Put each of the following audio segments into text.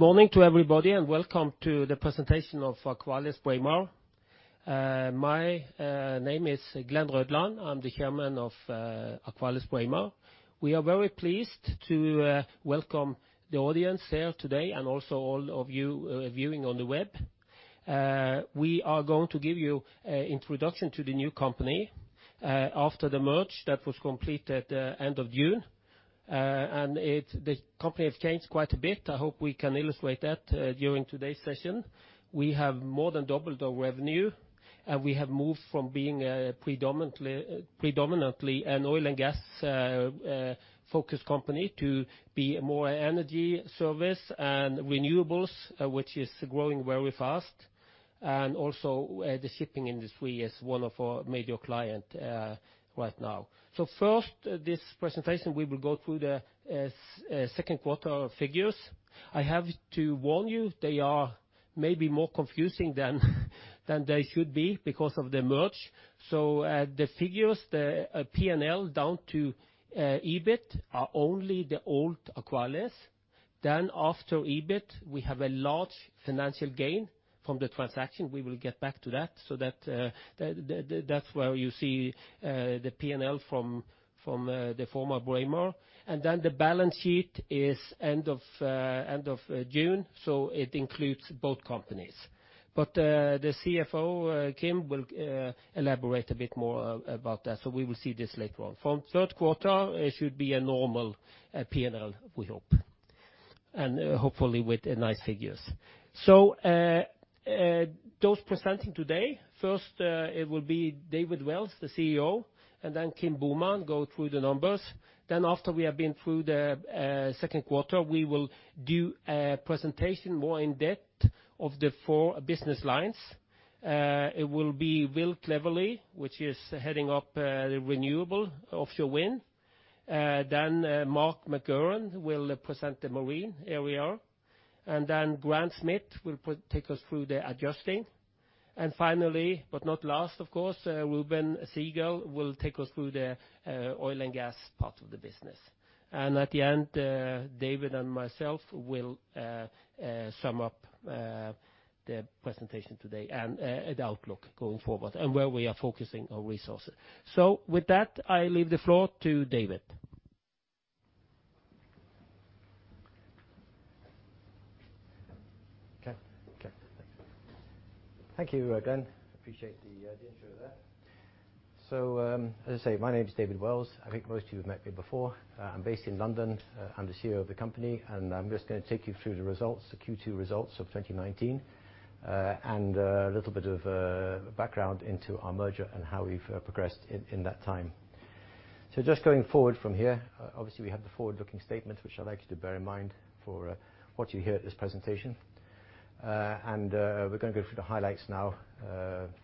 Good morning to everybody, welcome to the presentation of AqualisBraemar. My name is Glen Rødland. I'm the chairman of AqualisBraemar. We are very pleased to welcome the audience here today and also all of you viewing on the web. We are going to give you a introduction to the new company after the merger that was completed end of June. The company has changed quite a bit. I hope we can illustrate that during today's session. We have more than doubled our revenue, and we have moved from being predominantly an oil and gas-focused company to be more energy service and renewables, which is growing very fast. Also, the shipping industry is one of our major client right now. First, this presentation, we will go through the second quarter figures. I have to warn you, they are maybe more confusing than they should be because of the merge. The figures, the P&L down to EBIT, are only the old Aqualis. After EBIT, we have a large financial gain from the transaction. We will get back to that. That's where you see the P&L from the former Braemar. The balance sheet is end of June, so it includes both companies. The CFO, Kim, will elaborate a bit more about that, so we will see this later on. From third quarter, it should be a normal P&L, we hope, and hopefully with nice figures. Those presenting today, first it will be David Wells, the CEO, and then Kim Boman go through the numbers. After we have been through the second quarter, we will do a presentation more in depth of the four business lines. It will be Will Cleverly, which is heading up the renewable offshore wind. Mark McGarrahan will present the marine area. Grant Smith will take us through the adjusting. Finally, but not last of course, Reuben Segal will take us through the oil and gas part of the business. At the end, David and myself will sum up the presentation today and the outlook going forward and where we are focusing our resources. With that, I leave the floor to David. Thank you, Glen. Appreciate the intro there. As I say, my name is David Wells. I think most of you have met me before. I'm based in London. I'm the CEO of the company, and I'm just going to take you through the results, the Q2 results of 2019, and a little bit of a background into our merger and how we've progressed in that time. Just going forward from here, obviously we have the forward-looking statement, which I'd like you to bear in mind for what you hear at this presentation. We're going to go through the highlights now,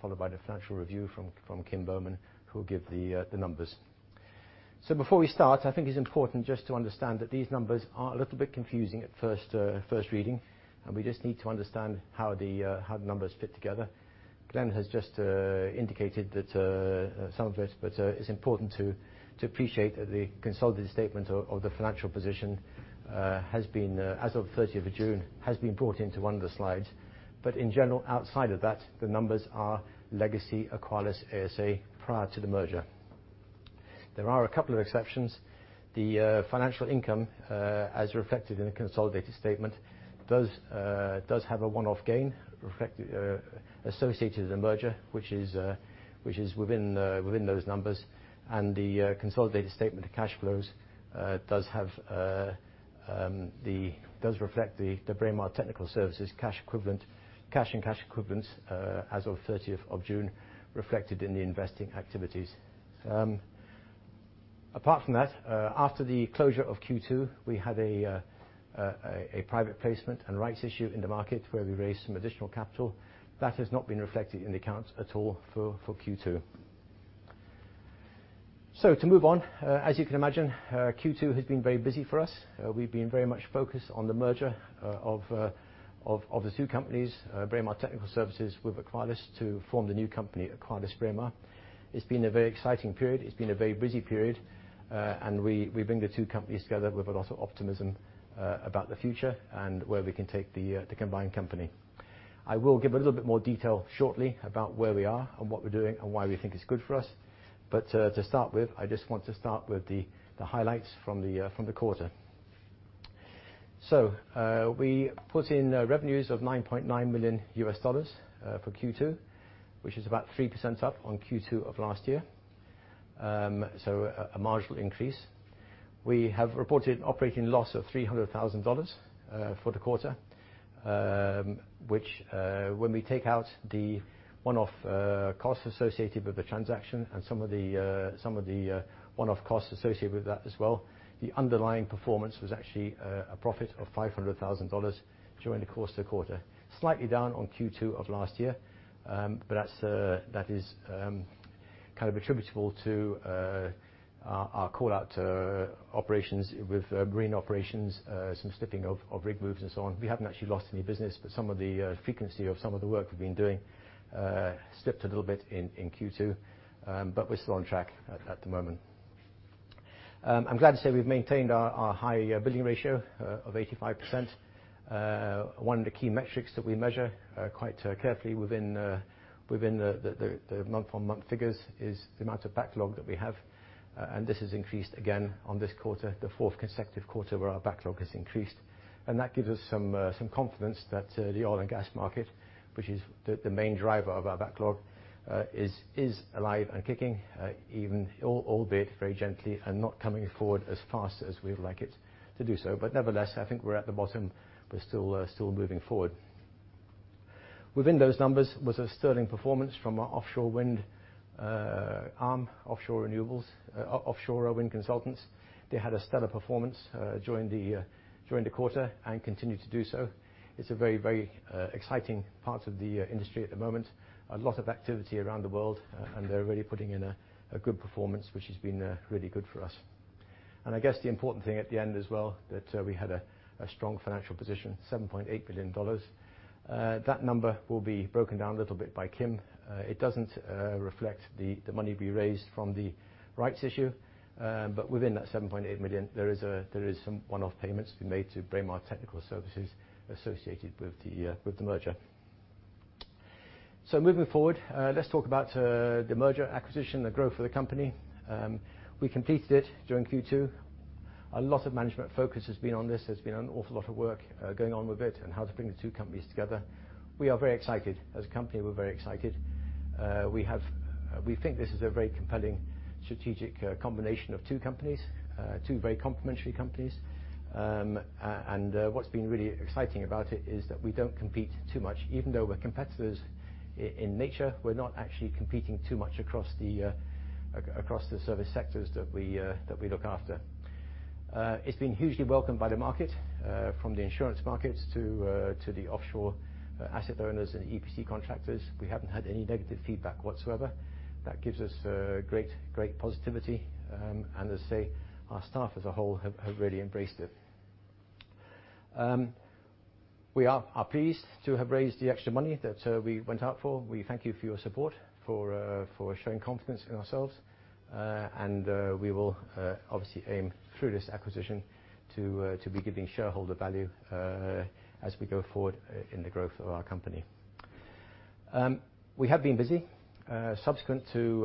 followed by the financial review from Kim Boman, who will give the numbers. Before we start, I think it's important just to understand that these numbers are a little bit confusing at first reading, and we just need to understand how the numbers fit together. Glen has just indicated some of it's important to appreciate that the consolidated statement of the financial position as of 30th of June has been brought into one of the slides. In general, outside of that, the numbers are legacy Aqualis ASA prior to the merger. There are a couple of exceptions. The financial income, as reflected in the consolidated statement, does have a one-off gain associated with the merger, which is within those numbers. The consolidated statement of cash flows does reflect the Braemar Technical Services cash and cash equivalents as of 30th of June reflected in the investing activities. Apart from that, after the closure of Q2, we had a private placement and rights issue in the market where we raised some additional capital. That has not been reflected in the accounts at all for Q2. To move on, as you can imagine, Q2 has been very busy for us. We've been very much focused on the merger of the two companies, Braemar Technical Services with Aqualis, to form the new company, AqualisBraemar. It's been a very exciting period. It's been a very busy period. We bring the two companies together with a lot of optimism about the future and where we can take the combined company. I will give a little bit more detail shortly about where we are and what we're doing and why we think it's good for us. To start with, I just want to start with the highlights from the quarter. We put in revenues of $9.9 million USD for Q2, which is about 3% up on Q2 of last year. A marginal increase. We have reported operating loss of NOK 300,000 for the quarter, which when we take out the one-off costs associated with the transaction and some of the one-off costs associated with that as well, the underlying performance was actually a profit of NOK 500,000 during the course of the quarter. Slightly down on Q2 of last year, but that is kind of attributable to our callout to operations with marine operations, some slipping of rig moves and so on. We haven't actually lost any business, but some of the frequency of some of the work we've been doing slipped a little bit in Q2. We're still on track at the moment. I'm glad to say we've maintained our high billing ratio of 85%. One of the key metrics that we measure quite carefully within the month-on-month figures is the amount of backlog that we have. This has increased again on this quarter, the fourth consecutive quarter where our backlog has increased. That gives us some confidence that the oil and gas market, which is the main driver of our backlog, is alive and kicking, even albeit very gently and not coming forward as fast as we would like it to do so. Nevertheless, I think we're at the bottom. We're still moving forward. Within those numbers was a sterling performance from our offshore wind arm, offshore renewables, Offshore Wind Consultants. They had a stellar performance during the quarter and continue to do so. It's a very exciting part of the industry at the moment. A lot of activity around the world, and they're really putting in a good performance, which has been really good for us. I guess the important thing at the end as well, that we had a strong financial position, NOK 7.8 billion. That number will be broken down a little bit by Kim. It doesn't reflect the money we raised from the rights issue. Within that 7.8 million, there is some one-off payments to be made to Braemar Technical Services associated with the merger. Moving forward, let's talk about the merger acquisition, the growth of the company. We completed it during Q2. A lot of management focus has been on this. There's been an awful lot of work going on with it and how to bring the two companies together. We are very excited. As a company, we're very excited. We think this is a very compelling strategic combination of two companies, two very complementary companies. What's been really exciting about it is that we don't compete too much. Even though we're competitors in nature, we're not actually competing too much across the service sectors that we look after. It's been hugely welcomed by the market, from the insurance markets to the offshore asset owners and EPC contractors. We haven't had any negative feedback whatsoever. That gives us great positivity. As I say, our staff as a whole have really embraced it. We are pleased to have raised the extra money that we went out for. We thank you for your support, for showing confidence in ourselves. We will obviously aim through this acquisition to be giving shareholder value as we go forward in the growth of our company. We have been busy. Subsequent to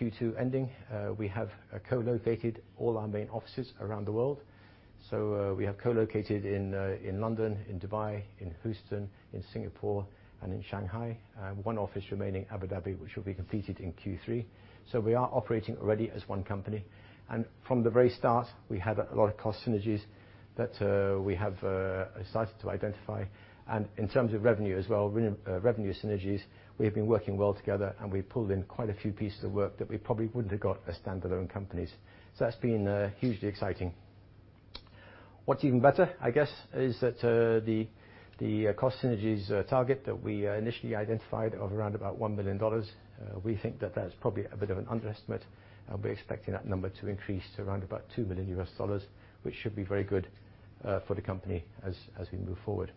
Q2 ending, we have co-located all our main offices around the world. We have co-located in London, in Dubai, in Houston, in Singapore, and in Shanghai. One office remaining, Abu Dhabi, which will be completed in Q3. We are operating already as one company. From the very start, we had a lot of cost synergies that we have started to identify. In terms of revenue as well, revenue synergies, we have been working well together and we pulled in quite a few pieces of work that we probably wouldn't have got as standalone companies. That's been hugely exciting. What's even better, I guess, is that the cost synergies target that we initially identified of around about NOK 1 million, we think that that is probably a bit of an underestimate, and we're expecting that number to increase to around about NOK 2 million, which should be very good for the company as we move forward.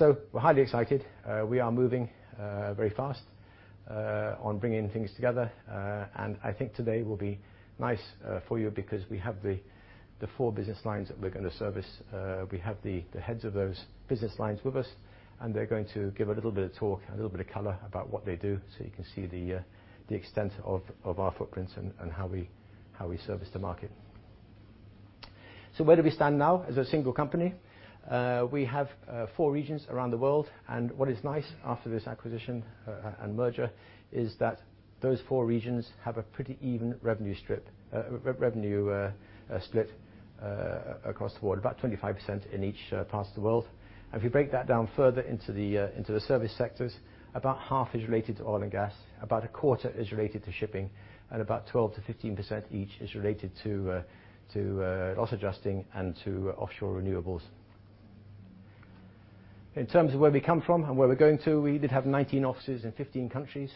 We're highly excited. We are moving very fast on bringing things together. I think today will be nice for you because we have the four business lines that we're going to service. We have the heads of those business lines with us, and they're going to give a little bit of talk, a little bit of color about what they do so you can see the extent of our footprints and how we service the market. Where do we stand now as a single company? We have four regions around the world, and what is nice after this acquisition and merger is that those four regions have a pretty even revenue split across the board, about 25% in each part of the world. If you break that down further into the service sectors, about half is related to oil and gas, about a quarter is related to shipping, and about 12%-15% each is related to loss adjusting and to offshore renewables. In terms of where we come from and where we're going to, we did have 19 offices in 15 countries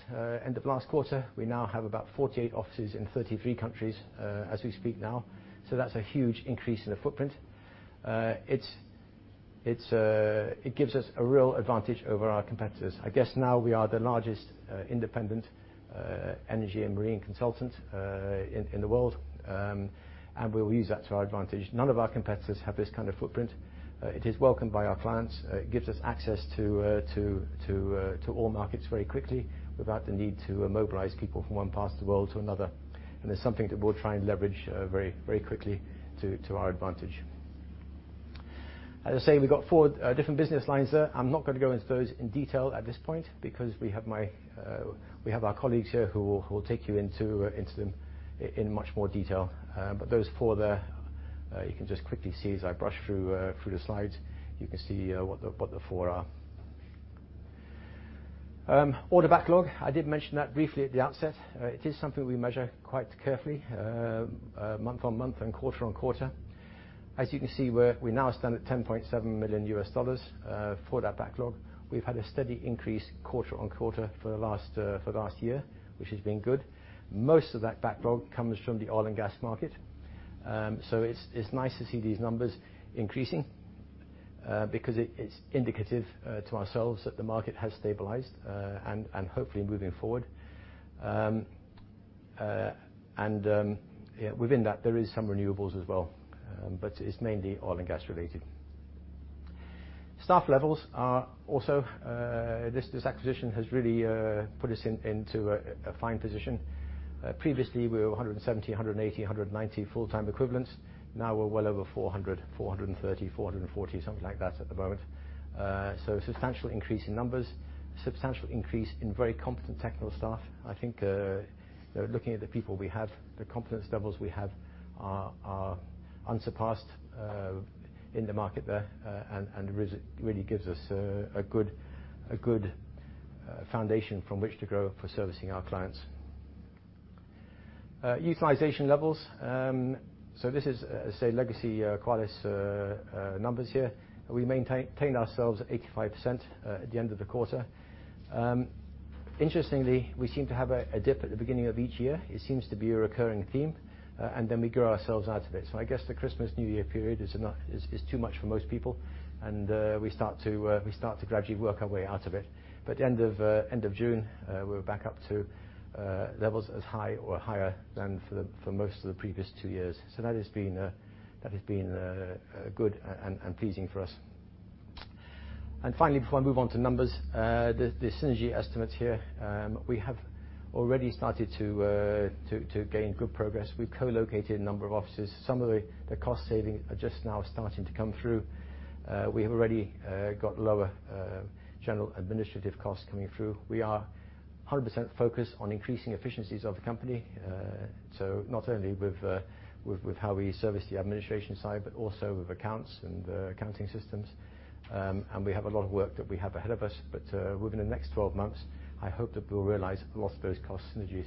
end of last quarter. We now have about 48 offices in 33 countries as we speak now. That's a huge increase in the footprint. It gives us a real advantage over our competitors. I guess now we are the largest independent energy and marine consultant in the world, and we will use that to our advantage. None of our competitors have this kind of footprint. It is welcomed by our clients. It gives us access to all markets very quickly without the need to mobilize people from one part of the world to another. It's something that we'll try and leverage very quickly to our advantage. As I say, we've got four different business lines there. I'm not going to go into those in detail at this point because we have our colleagues here who will take you into them in much more detail. Those four there, you can just quickly see as I brush through the slides, you can see what the four are. Order backlog, I did mention that briefly at the outset. It is something we measure quite carefully month-on-month and quarter-on-quarter. As you can see, we now stand at NOK 10.7 million for that backlog. We've had a steady increase quarter-on-quarter for the last year, which has been good. Most of that backlog comes from the oil and gas market. Because it's nice to see these numbers increasing. Because it's indicative to ourselves that the market has stabilized, and hopefully moving forward. Within that, there is some renewables as well, but it's mainly oil and gas related. This acquisition has really put us into a fine position. Previously, we were 170, 180, 190 full-time equivalents. Now we're well over 400, 430, 440, something like that at the moment. Substantial increase in numbers, substantial increase in very competent technical staff. I think, looking at the people we have, the competence levels we have are unsurpassed in the market there, and really gives us a good foundation from which to grow for servicing our clients. Utilization levels. This is, say, legacy Aqualis numbers here. We maintained ourselves at 85% at the end of the quarter. Interestingly, we seem to have a dip at the beginning of each year. It seems to be a recurring theme, we grow ourselves out of it. I guess the Christmas, New Year period is too much for most people and we start to gradually work our way out of it. By the end of June, we were back up to levels as high or higher than for most of the previous 2 years. That has been good and pleasing for us. Finally, before I move on to numbers, the synergy estimates here. We have already started to gain good progress. We've co-located a number of offices. Some of the cost saving are just now starting to come through. We have already got lower general administrative costs coming through. We are 100% focused on increasing efficiencies of the company. Not only with how we service the administration side, but also with accounts and accounting systems. We have a lot of work that we have ahead of us, but within the next 12 months, I hope that we'll realize a lot of those cost synergies.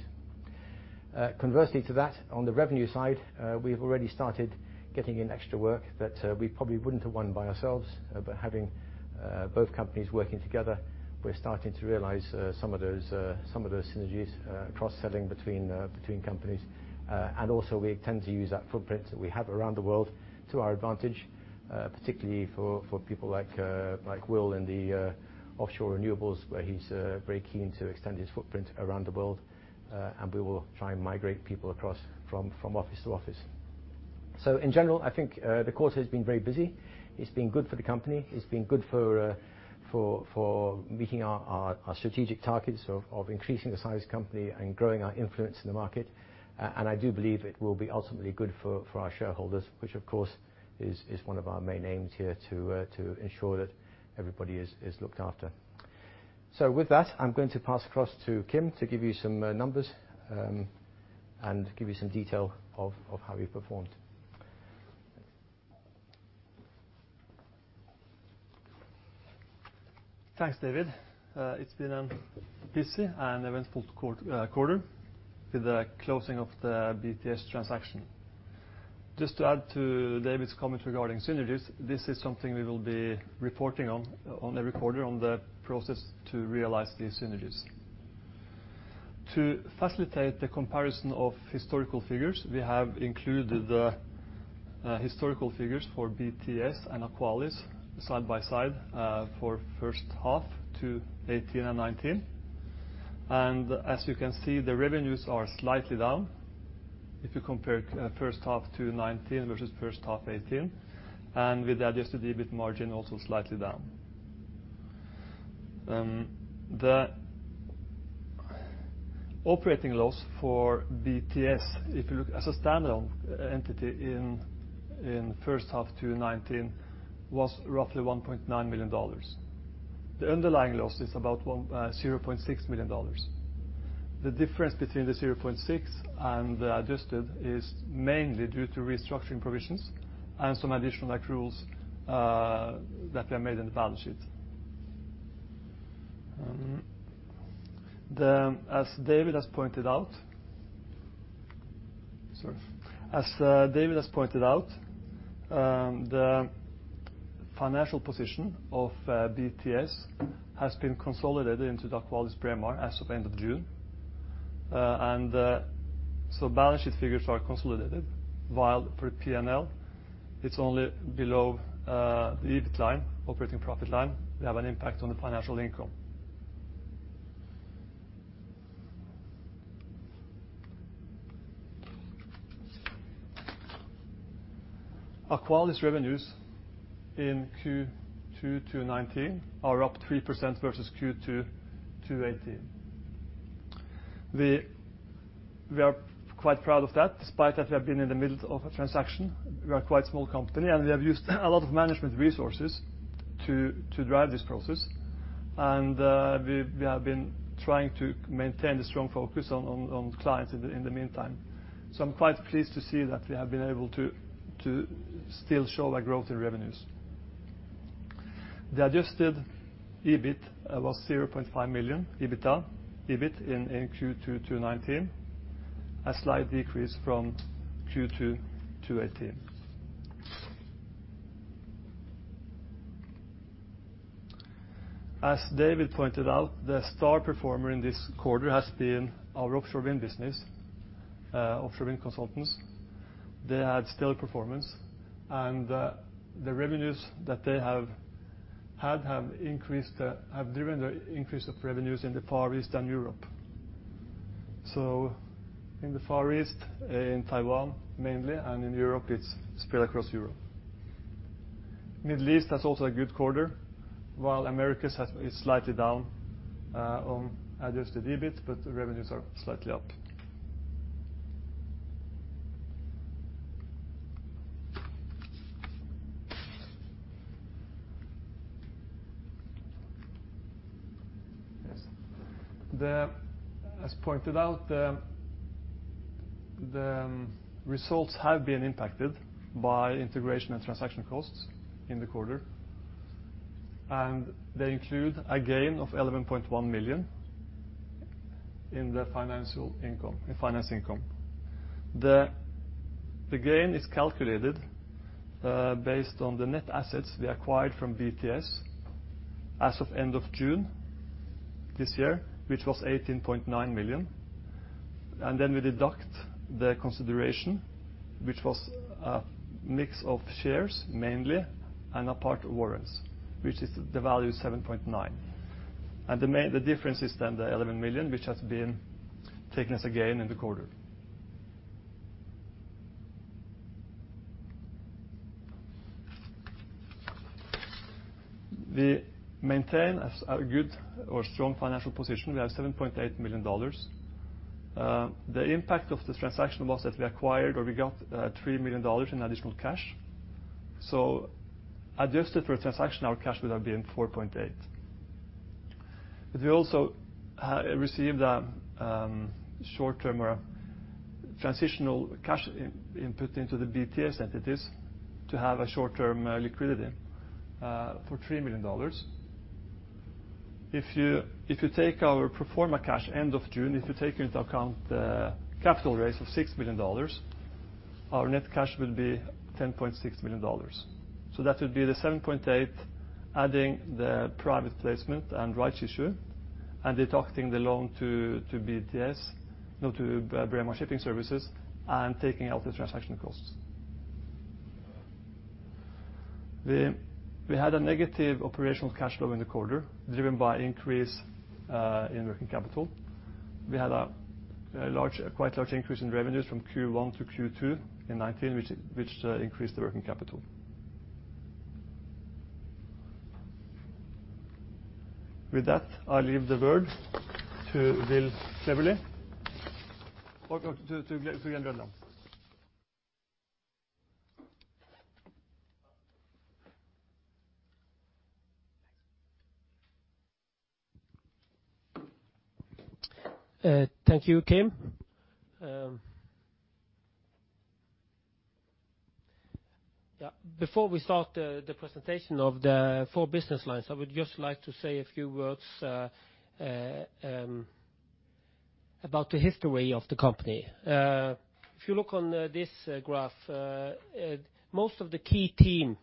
Conversely to that, on the revenue side, we've already started getting in extra work that we probably wouldn't have won by ourselves. Having both companies working together, we're starting to realize some of those synergies, cross-selling between companies. Also we intend to use that footprint that we have around the world to our advantage, particularly for people like Will in the offshore renewables, where he's very keen to extend his footprint around the world, and we will try and migrate people across from office to office. In general, I think the quarter has been very busy. It's been good for the company. It's been good for meeting our strategic targets of increasing the size of the company and growing our influence in the market. I do believe it will be ultimately good for our shareholders, which of course is one of our main aims here to ensure that everybody is looked after. With that, I'm going to pass across to Kim to give you some numbers and give you some detail of how we performed. Thanks, David. It's been a busy and eventful quarter with the closing of the BTS transaction. Just to add to David's comment regarding synergies, this is something we will be reporting on every quarter on the process to realize these synergies. To facilitate the comparison of historical figures, we have included the historical figures for BTS and Aqualis side by side for first half 2018 and 2019. As you can see, the revenues are slightly down if you compare first half 2019 versus first half 2018, and with the adjusted EBIT margin also slightly down. The operating loss for BTS, if you look as a standalone entity in first half 2019, was roughly $1.9 million. The underlying loss is about $0.6 million. The difference between the 0.6 and the adjusted is mainly due to restructuring provisions and some additional accruals that were made in the balance sheet. As David has pointed out, As David has pointed out, the financial position of BTS has been consolidated into the AqualisBraemar as of end of June. Balance sheet figures are consolidated, while for P&L, it's only below the EBIT line, operating profit line. We have an impact on the financial income. Aqualis revenues in Q2 2019 are up 3% versus Q2 2018. We are quite proud of that, despite that we have been in the middle of a transaction. We are quite a small company, and we have used a lot of management resources to drive this process. We have been trying to maintain a strong focus on clients in the meantime. I'm quite pleased to see that we have been able to still show a growth in revenues. The adjusted EBIT was 0.5 million, EBITDA, EBIT in Q2 2019, a slight decrease from Q2 2018. As David pointed out, the star performer in this quarter has been our offshore wind business, Offshore Wind Consultants. They had stellar performance, and the revenues that they have had, have driven the increase of revenues in the Far East and Europe. In the Far East, in Taiwan mainly, and in Europe, it's spread across Europe. Middle East has also a good quarter while Americas is slightly down on adjusted EBIT, but the revenues are slightly up. Yes. As pointed out, the results have been impacted by integration and transaction costs in the quarter, and they include a gain of 11.1 million in finance income. The gain is calculated based on the net assets we acquired from BTS as of end of June this year, which was 18.9 million. We deduct the consideration, which was a mix of shares mainly, and a part warrants, which the value is 7.9. The difference is then the 11 million, which has been taken as a gain in the quarter. We maintain a good or strong financial position. We have NOK 7.8 million. The impact of this transaction was that we acquired, or we got NOK 3 million in additional cash. Adjusted for transaction, our cash would have been 4.8. We also received a short-term or transitional cash input into the BTS entities to have a short-term liquidity for NOK 3 million. If you take our pro forma cash end of June, if you take into account the capital raise of NOK 6 million, our net cash will be NOK 10.6 million. That would be the 7.8, adding the private placement and rights issue and deducting the loan to Braemar Shipping Services, and taking out the transaction costs. We had a negative operational cash flow in the quarter, driven by increase in working capital. We had a quite large increase in revenues from Q1 to Q2 in 2019, which increased the working capital. With that, I leave the word to [Jan Gjeldnås]. Thank you, Kim. Before we start the presentation of the four business lines, I would just like to say a few words about the history of the company. If you look on this graph, most of the key team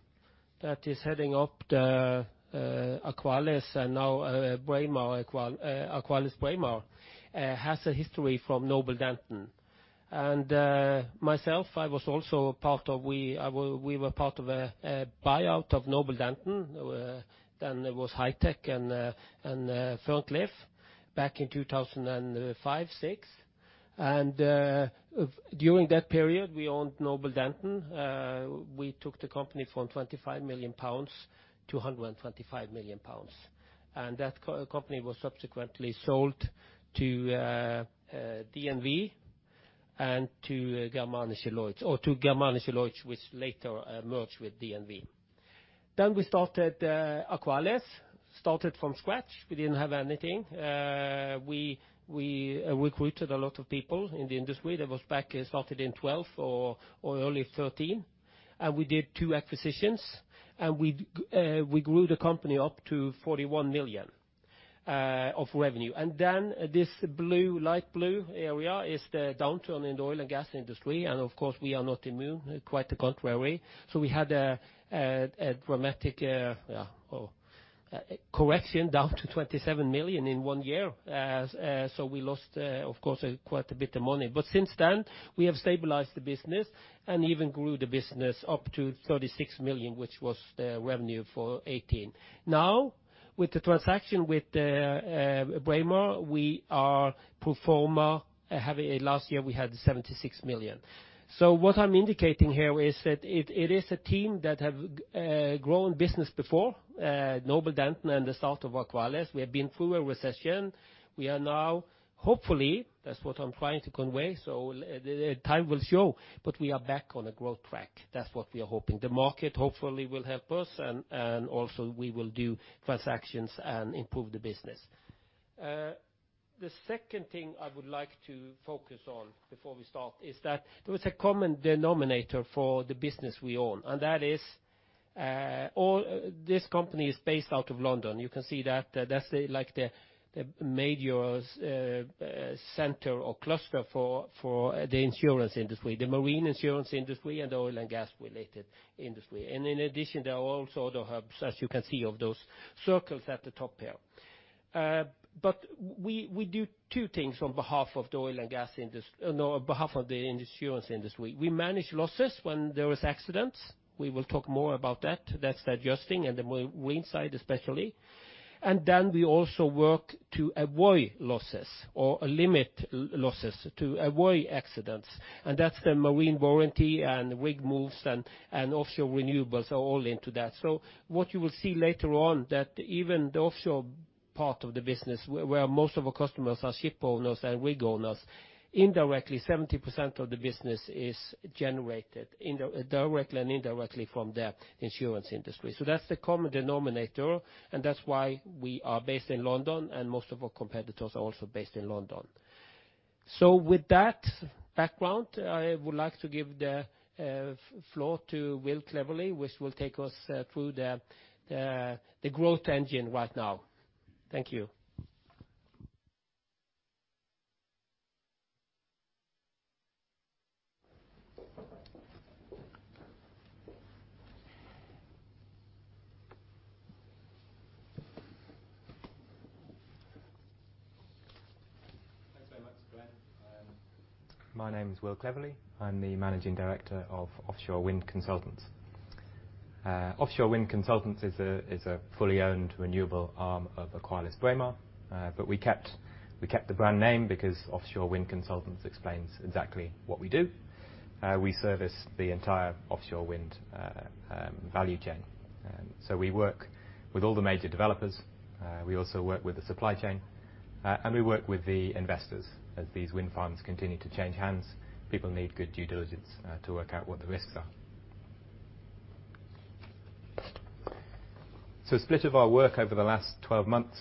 that is heading up the Aqualis, and now AqualisBraemar, has a history from Noble Denton. Myself, we were part of a buyout of Noble Denton. There was HitecVision and Ferncliff back in 2005, '06. During that period, we owned Noble Denton. We took the company from 25 million pounds to 125 million pounds, and that company was subsequently sold to DNV and to Germanischer Lloyd, which later merged with DNV. We started Aqualis. Started from scratch, we didn't have anything. We recruited a lot of people in the industry. That was back, it started in 2012 or early 2013, we did two acquisitions, we grew the company up to 41 million of revenue. This light blue area is the downturn in the oil and gas industry. Of course, we are not immune. Quite the contrary. We had a dramatic correction down to 27 million in one year. We lost, of course, quite a bit of money. Since then, we have stabilized the business and even grew the business up to 36 million, which was the revenue for 2018. Now, with the transaction with Braemar, we are pro forma, last year we had 76 million. What I'm indicating here is that it is a team that have grown business before, Noble Denton and the start of Aqualis. We have been through a recession. We are now, hopefully, that's what I'm trying to convey, so time will show, but we are back on a growth track. That's what we are hoping. The market hopefully will help us, and also we will do transactions and improve the business. The second thing I would like to focus on before we start is that there was a common denominator for the business we own, and that is this company is based out of London. You can see that. That's like the major center or cluster for the insurance industry, the marine insurance industry, and the oil and gas-related industry. In addition, there are also other hubs, as you can see, of those circles at the top here. We do two things on behalf of the insurance industry. We manage losses when there is accidents. We will talk more about that. That's the adjusting and the marine side especially. We also work to avoid losses or limit losses to avoid accidents, and that's the marine warranty and rig moves and offshore renewables are all into that. What you will see later on, that even the offshore part of the business, where most of our customers are ship owners and rig owners, indirectly 70% of the business is generated directly and indirectly from the insurance industry. That's the common denominator, and that's why we are based in London and most of our competitors are also based in London. With that background, I would like to give the floor to Will Cleverly, which will take us through the growth engine right now. Thank you. Thanks very much, Glen. My name is Will Cleverly. I'm the managing director of Offshore Wind Consultants. Offshore Wind Consultants is a fully owned renewable arm of AqualisBraemar, but we kept the brand name because Offshore Wind Consultants explains exactly what we do. We service the entire offshore wind value chain. We work with all the major developers. We also work with the supply chain, and we work with the investors. As these wind farms continue to change hands, people need good due diligence to work out what the risks are. A split of our work over the last 12 months,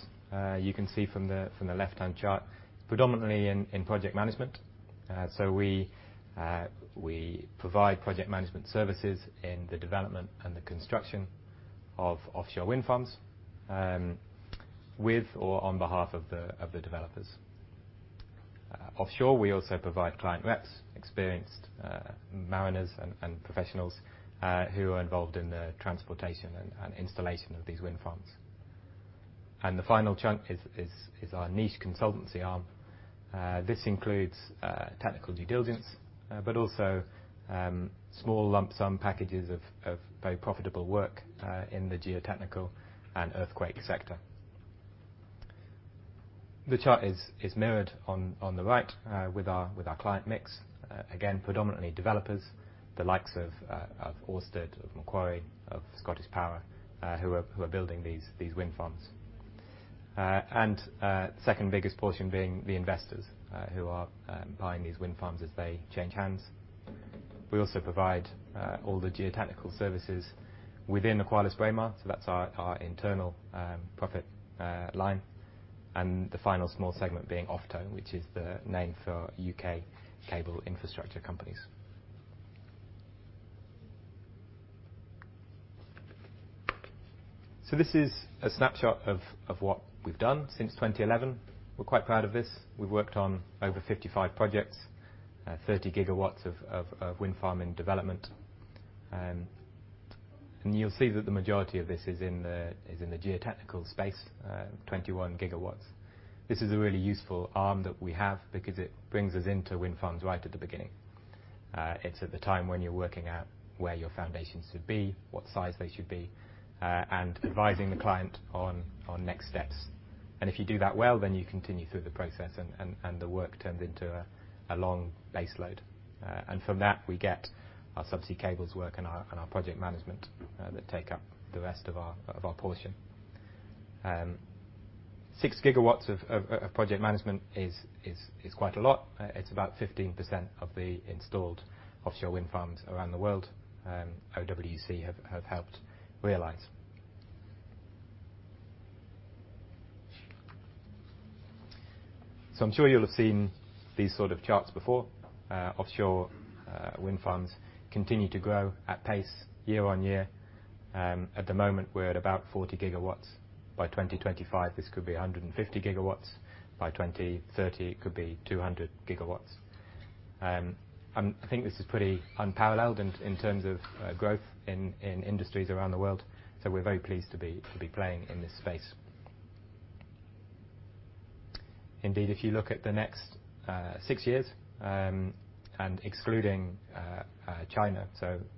you can see from the left-hand chart, predominantly in project management. We provide project management services in the development and the construction of offshore wind farms, with or on behalf of the developers. Offshore, we also provide client reps, experienced mariners, and professionals who are involved in the transportation and installation of these wind farms. The final chunk is our niche consultancy arm. This includes technical due diligence, but also small lump sum packages of very profitable work in the geotechnical and earthquake sector. The chart is mirrored on the right with our client mix. Again, predominantly developers, the likes of Ørsted, of Macquarie, of Scottish Power who are building these wind farms. Second biggest portion being the investors who are buying these wind farms as they change hands. We also provide all the geotechnical services within AqualisBraemar so that's our internal profit line. The final small segment being OFTO, which is the name for U.K. cable infrastructure companies. This is a snapshot of what we've done since 2011. We're quite proud of this. We've worked on over 55 projects, 30 gigawatts of wind farming development. You'll see that the majority of this is in the geotechnical space, 21 gigawatts. This is a really useful arm that we have because it brings us into wind farms right at the beginning. It's at the time when you're working out where your foundations should be, what size they should be, and advising the client on next steps. If you do that well, then you continue through the process and the work turns into a long baseload. From that, we get our subsea cables work and our project management that take up the rest of our portion. Six gigawatts of project management is quite a lot. It's about 15% of the installed offshore wind farms around the world OWC have helped realize. I'm sure you'll have seen these sort of charts before. Offshore wind farms continue to grow at pace year on year. At the moment, we're at about 40 gigawatts. By 2025, this could be 150 gigawatts. By 2030, it could be 200 gigawatts. I think this is pretty unparalleled in terms of growth in industries around the world. We're very pleased to be playing in this space. If you look at the next 6 years, and excluding China,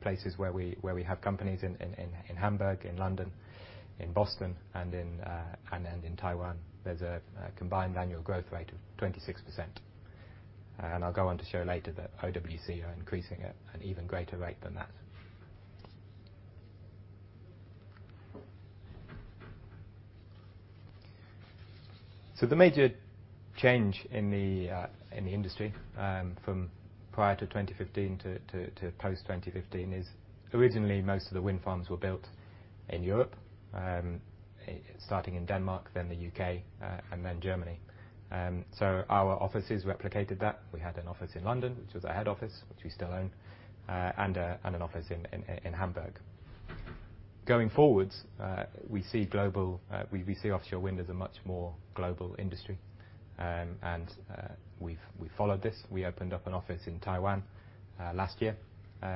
places where we have companies in Hamburg, in London, in Boston, and in Taiwan, there's a combined annual growth rate of 26%. I'll go on to show later that OWC are increasing at an even greater rate than that. The major change in the industry from prior to 2015 to post 2015 is originally, most of the wind farms were built in Europe, starting in Denmark, then the U.K., and then Germany. Our offices replicated that. We had an office in London, which was our head office, which we still own, and an office in Hamburg. We followed this. We opened up an office in Taiwan last year. We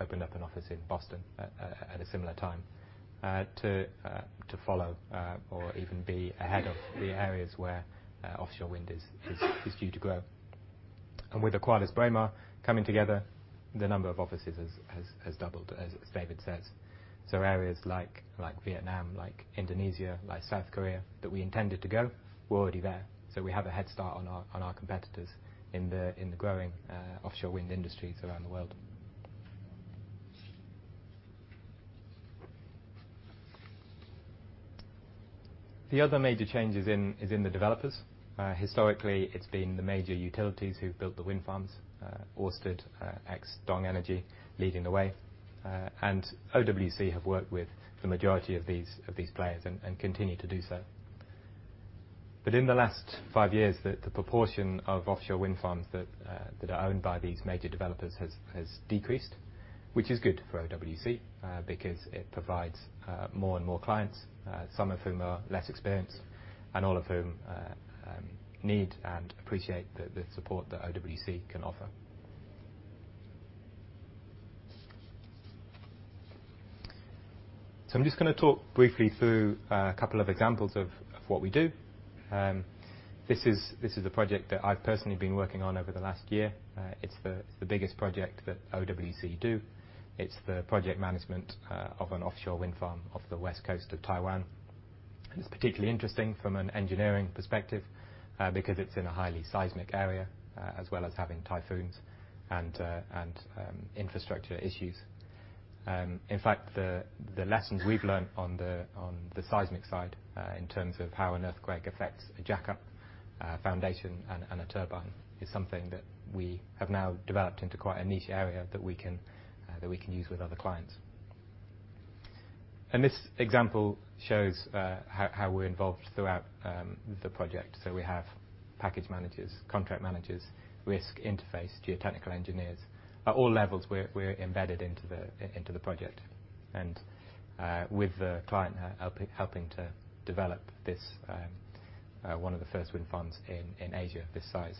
opened up an office in Boston at a similar time to follow or even be ahead of the areas where offshore wind is due to grow. With AqualisBraemar coming together, the number of offices has doubled, as David says. Areas like Vietnam, like Indonesia, like South Korea, that we intended to go, we're already there. We have a headstart on our competitors in the growing offshore wind industries around the world. The other major change is in the developers. Historically, it's been the major utilities who've built the wind farms, Ørsted, ex-DONG Energy, leading the way. OWC have worked with the majority of these players, and continue to do so. In the last five years, the proportion of offshore wind farms that are owned by these major developers has decreased, which is good for OWC because it provides more and more clients, some of whom are less experienced, and all of whom need and appreciate the support that OWC can offer. I'm just going to talk briefly through a couple of examples of what we do. This is a project that I've personally been working on over the last year. It's the biggest project that OWC do. It's the project management of an offshore wind farm off the west coast of Taiwan. It's particularly interesting from an engineering perspective because it's in a highly seismic area, as well as having typhoons and infrastructure issues. In fact, the lessons we've learned on the seismic side in terms of how an earthquake affects a jack-up foundation and a turbine is something that we have now developed into quite a niche area that we can use with other clients. This example shows how we're involved throughout the project. We have package managers, contract managers, risk interface, geotechnical engineers. At all levels, we're embedded into the project and with the client helping to develop one of the first wind farms in Asia this size.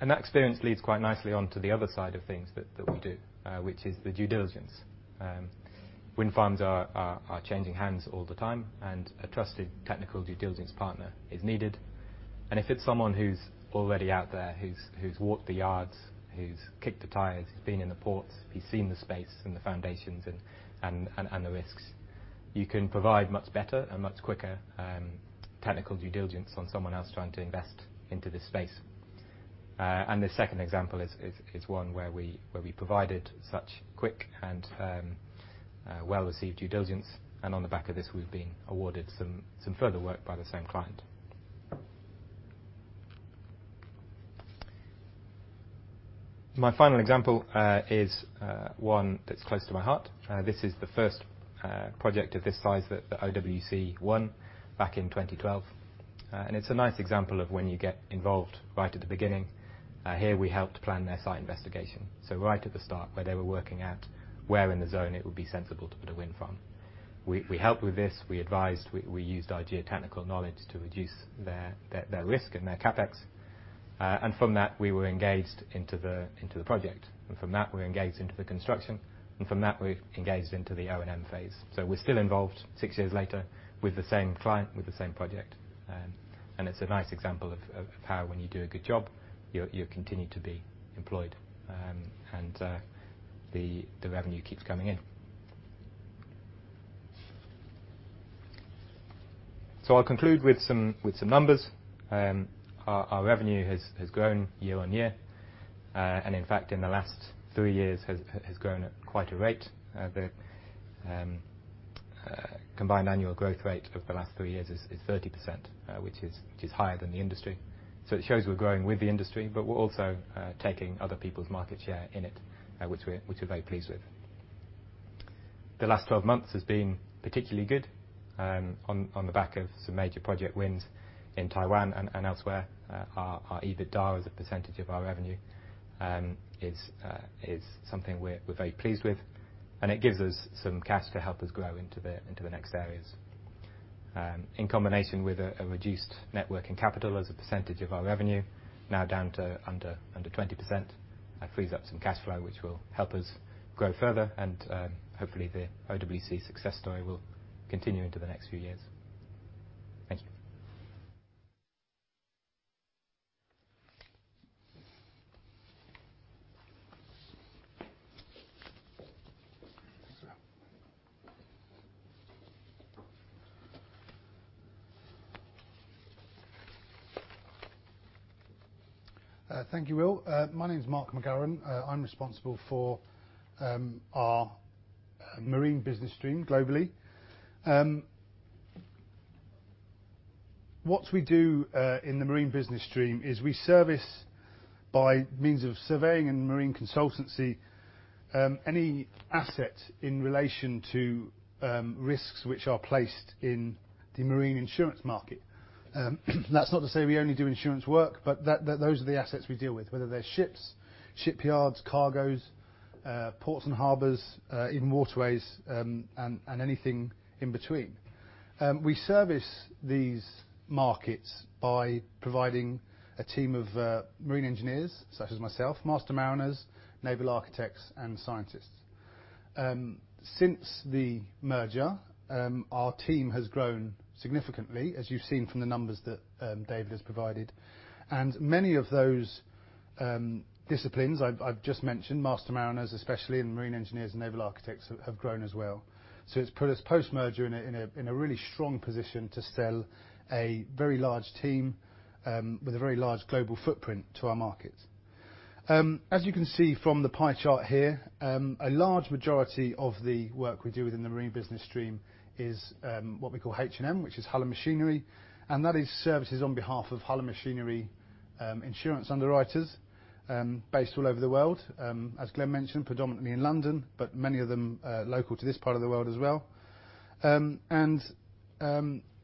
That experience leads quite nicely onto the other side of things that we do, which is the due diligence. Wind farms are changing hands all the time, and a trusted technical due diligence partner is needed. If it's someone who's already out there, who's walked the yards, who's kicked the tires, who's been in the ports, who's seen the space and the foundations and the risks, you can provide much better and much quicker technical due diligence on someone else trying to invest into this space. The second example is one where we provided such quick and well-received due diligence, and on the back of this, we've been awarded some further work by the same client. My final example is one that's close to my heart. This is the first project of this size that OWC won back in 2012. It's a nice example of when you get involved right at the beginning. Here, we helped plan their site investigation. Right at the start, where they were working out where in the zone it would be sensible to put a wind farm. We helped with this, we advised, we used our geotechnical knowledge to reduce their risk and their CapEx. From that, we were engaged into the project. From that, we were engaged into the construction. From that, we've engaged into the O&M phase. We're still involved six years later with the same client, with the same project. It's a nice example of how when you do a good job, you're continued to be employed and the revenue keeps coming in. I'll conclude with some numbers. Our revenue has grown year-on-year. In fact, in the last three years, has grown at quite a rate. The combined annual growth rate of the last three years is 30%, which is higher than the industry. It shows we're growing with the industry, but we're also taking other people's market share in it, which we're very pleased with. The last 12 months has been particularly good on the back of some major project wins in Taiwan and elsewhere. Our EBITDA as a percentage of our revenue is something we're very pleased with, and it gives us some cash to help us grow into the next areas. In combination with a reduced net working capital as a percentage of our revenue, now down to under 20%, that frees up some cash flow, which will help us grow further and hopefully the OWC success story will continue into the next few years. Thank you. Thanks, Will. Thank you, Will. My name's Mark McGarrahan. I'm responsible for our marine business stream globally. What we do in the marine business stream is we service by means of surveying and marine consultancy any asset in relation to risks which are placed in the marine insurance market. That's not to say we only do insurance work, but those are the assets we deal with, whether they're ships, shipyards, cargoes ports and harbors, even waterways, and anything in between. We service these markets by providing a team of marine engineers, such as myself, master mariners, naval architects, and scientists. Since the merger, our team has grown significantly, as you've seen from the numbers that David has provided. Many of those disciplines I've just mentioned, master mariners especially, and marine engineers and naval architects, have grown as well. It's put us, post-merger, in a really strong position to sell a very large team with a very large global footprint to our markets. As you can see from the pie chart here, a large majority of the work we do within the marine business stream is what we call H&M, which is hull and machinery, and that is services on behalf of hull and machinery insurance underwriters based all over the world. As Glen mentioned, predominantly in London, but many of them are local to this part of the world as well.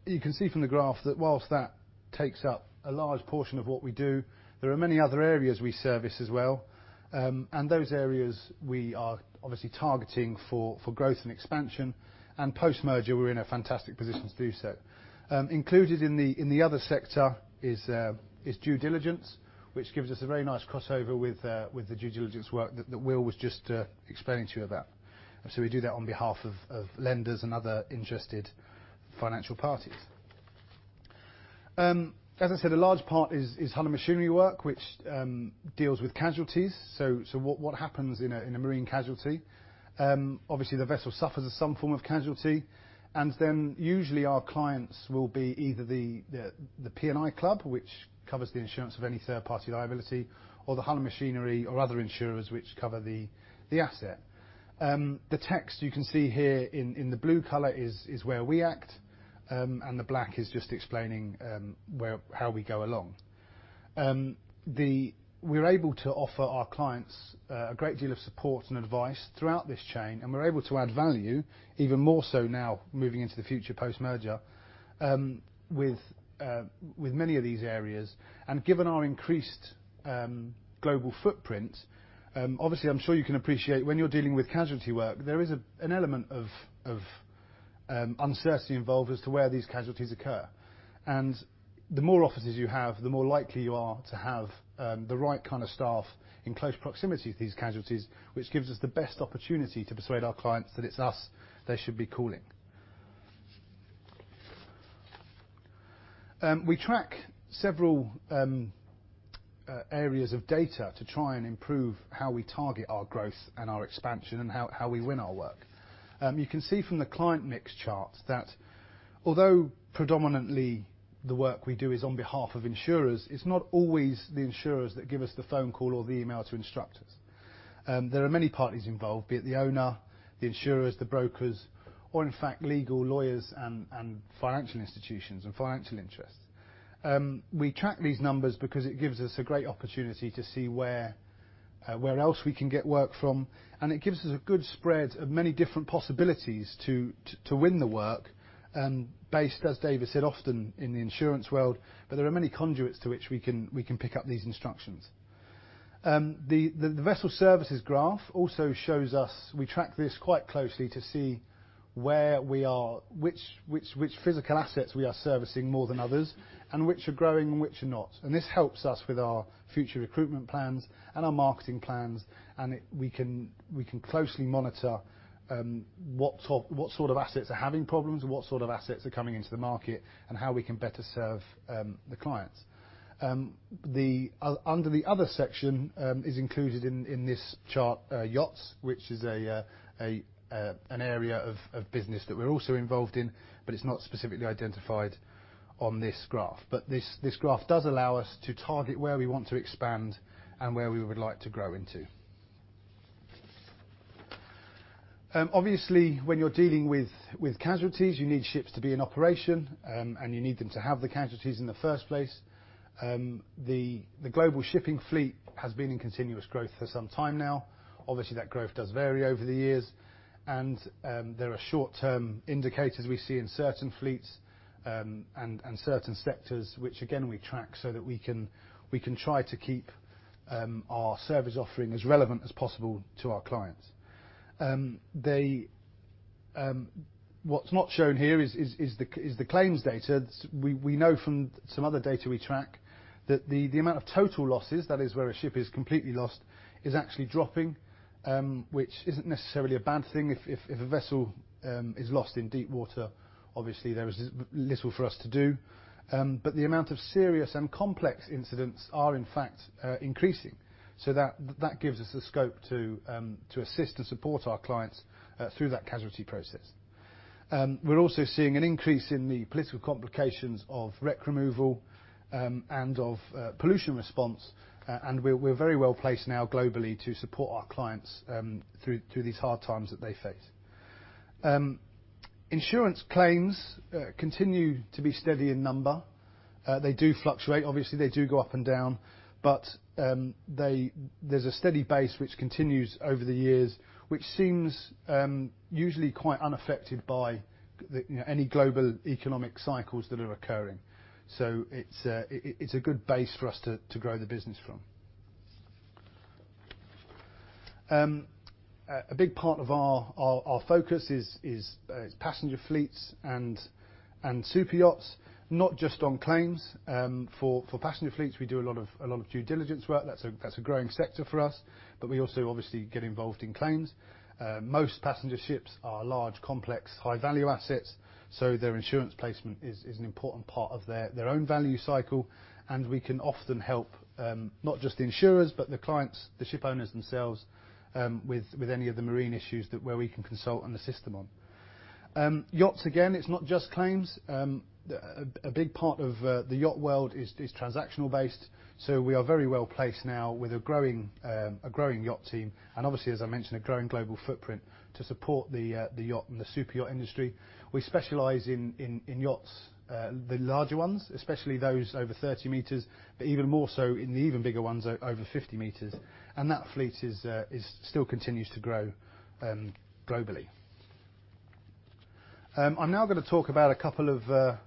You can see from the graph that whilst that takes up a large portion of what we do, there are many other areas we service as well. Those areas we are obviously targeting for growth and expansion, and post-merger, we're in a fantastic position to do so. Included in the other sector is due diligence, which gives us a very nice crossover with the due diligence work that Will was just explaining to you about. We do that on behalf of lenders and other interested financial parties. As I said, a large part is hull and machinery work, which deals with casualties. What happens in a marine casualty? Obviously, the vessel suffers some form of casualty, and then usually our clients will be either the P&I club, which covers the insurance of any third party liability, or the hull and machinery or other insurers which cover the asset. The text you can see here in the blue color is where we act, and the black is just explaining how we go along. We're able to offer our clients a great deal of support and advice throughout this chain, and we're able to add value, even more so now moving into the future post-merger, with many of these areas. Given our increased global footprint, obviously, I'm sure you can appreciate when you're dealing with casualty work, there is an element of uncertainty involved as to where these casualties occur. The more offices you have, the more likely you are to have the right kind of staff in close proximity to these casualties, which gives us the best opportunity to persuade our clients that it's us they should be calling. We track several areas of data to try and improve how we target our growth and our expansion and how we win our work. You can see from the client mix chart that although predominantly the work we do is on behalf of insurers, it's not always the insurers that give us the phone call or the email to instruct us. There are many parties involved, be it the owner, the insurers, the brokers, or in fact legal lawyers and financial institutions and financial interests. We track these numbers because it gives us a great opportunity to see where else we can get work from, and it gives us a good spread of many different possibilities to win the work, based, as David said, often in the insurance world, but there are many conduits to which we can pick up these instructions. The vessel services graph also shows us, we track this quite closely to see which physical assets we are servicing more than others and which are growing and which are not. This helps us with our future recruitment plans and our marketing plans, and we can closely monitor what sort of assets are having problems and what sort of assets are coming into the market and how we can better serve the clients. Under the other section is included in this chart, yachts, which is an area of business that we're also involved in, but it's not specifically identified on this graph. This graph does allow us to target where we want to expand and where we would like to grow into. Obviously, when you're dealing with casualties, you need ships to be in operation, and you need them to have the casualties in the first place. The global shipping fleet has been in continuous growth for some time now. Obviously, that growth does vary over the years, and there are short-term indicators we see in certain fleets and certain sectors, which, again, we track so that we can try to keep our service offering as relevant as possible to our clients. What's not shown here is the claims data. We know from some other data we track that the amount of total losses, that is where a ship is completely lost, is actually dropping, which isn't necessarily a bad thing. If a vessel is lost in deep water, obviously there is little for us to do. The amount of serious and complex incidents are, in fact, increasing. That gives us the scope to assist and support our clients through that casualty process. We're also seeing an increase in the political complications of wreck removal and of pollution response. We're very well placed now globally to support our clients through these hard times that they face. Insurance claims continue to be steady in number. They do fluctuate. Obviously, they do go up and down. There's a steady base which continues over the years, which seems usually quite unaffected by any global economic cycles that are occurring. It's a good base for us to grow the business from. A big part of our focus is passenger fleets and super yachts. Not just on claims. For passenger fleets, we do a lot of due diligence work. That's a growing sector for us. We also obviously get involved in claims. Most passenger ships are large, complex, high-value assets. Their insurance placement is an important part of their own value cycle. We can often help, not just the insurers, but the clients, the ship owners themselves, with any of the marine issues where we can consult and assist them on. Yachts, again, it's not just claims. A big part of the yacht world is transactional based. We are very well placed now with a growing yacht team and obviously, as I mentioned, a growing global footprint to support the yacht and the super yacht industry. We specialize in yachts. The larger ones, especially those over 30 meters, but even more so in the even bigger ones over 50 meters. That fleet still continues to grow globally. I'm now going to talk about a couple of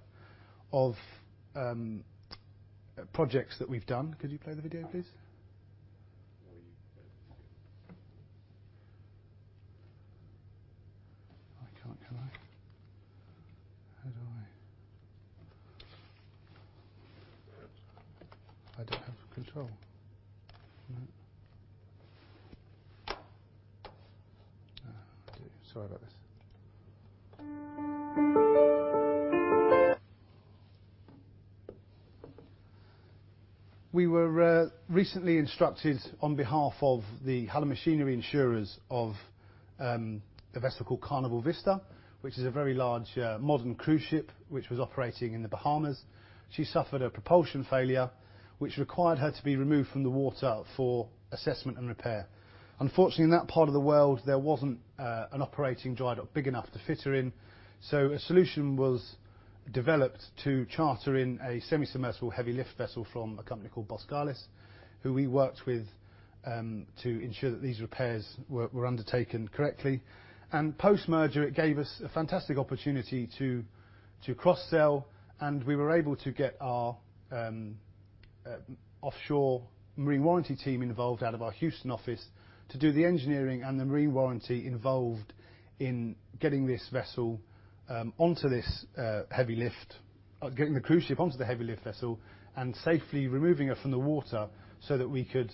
projects that we've done. Could you play the video, please? You press play. I can't, can I? How do I? I don't have control. No. Sorry about this. We were recently instructed on behalf of the hull and machinery insurers of a vessel called Carnival Vista, which is a very large modern cruise ship which was operating in the Bahamas. She suffered a propulsion failure, which required her to be removed from the water for assessment and repair. Unfortunately, in that part of the world, there wasn't an operating dry dock big enough to fit her in, so a solution was developed to charter in a semi-submersible heavy lift vessel from a company called Boskalis, who we worked with to ensure that these repairs were undertaken correctly. Post-merger, it gave us a fantastic opportunity to cross-sell, and we were able to get our offshore marine warranty team involved out of our Houston office to do the engineering and the marine warranty involved in getting the cruise ship onto the heavy lift vessel, and safely removing it from the water so that we could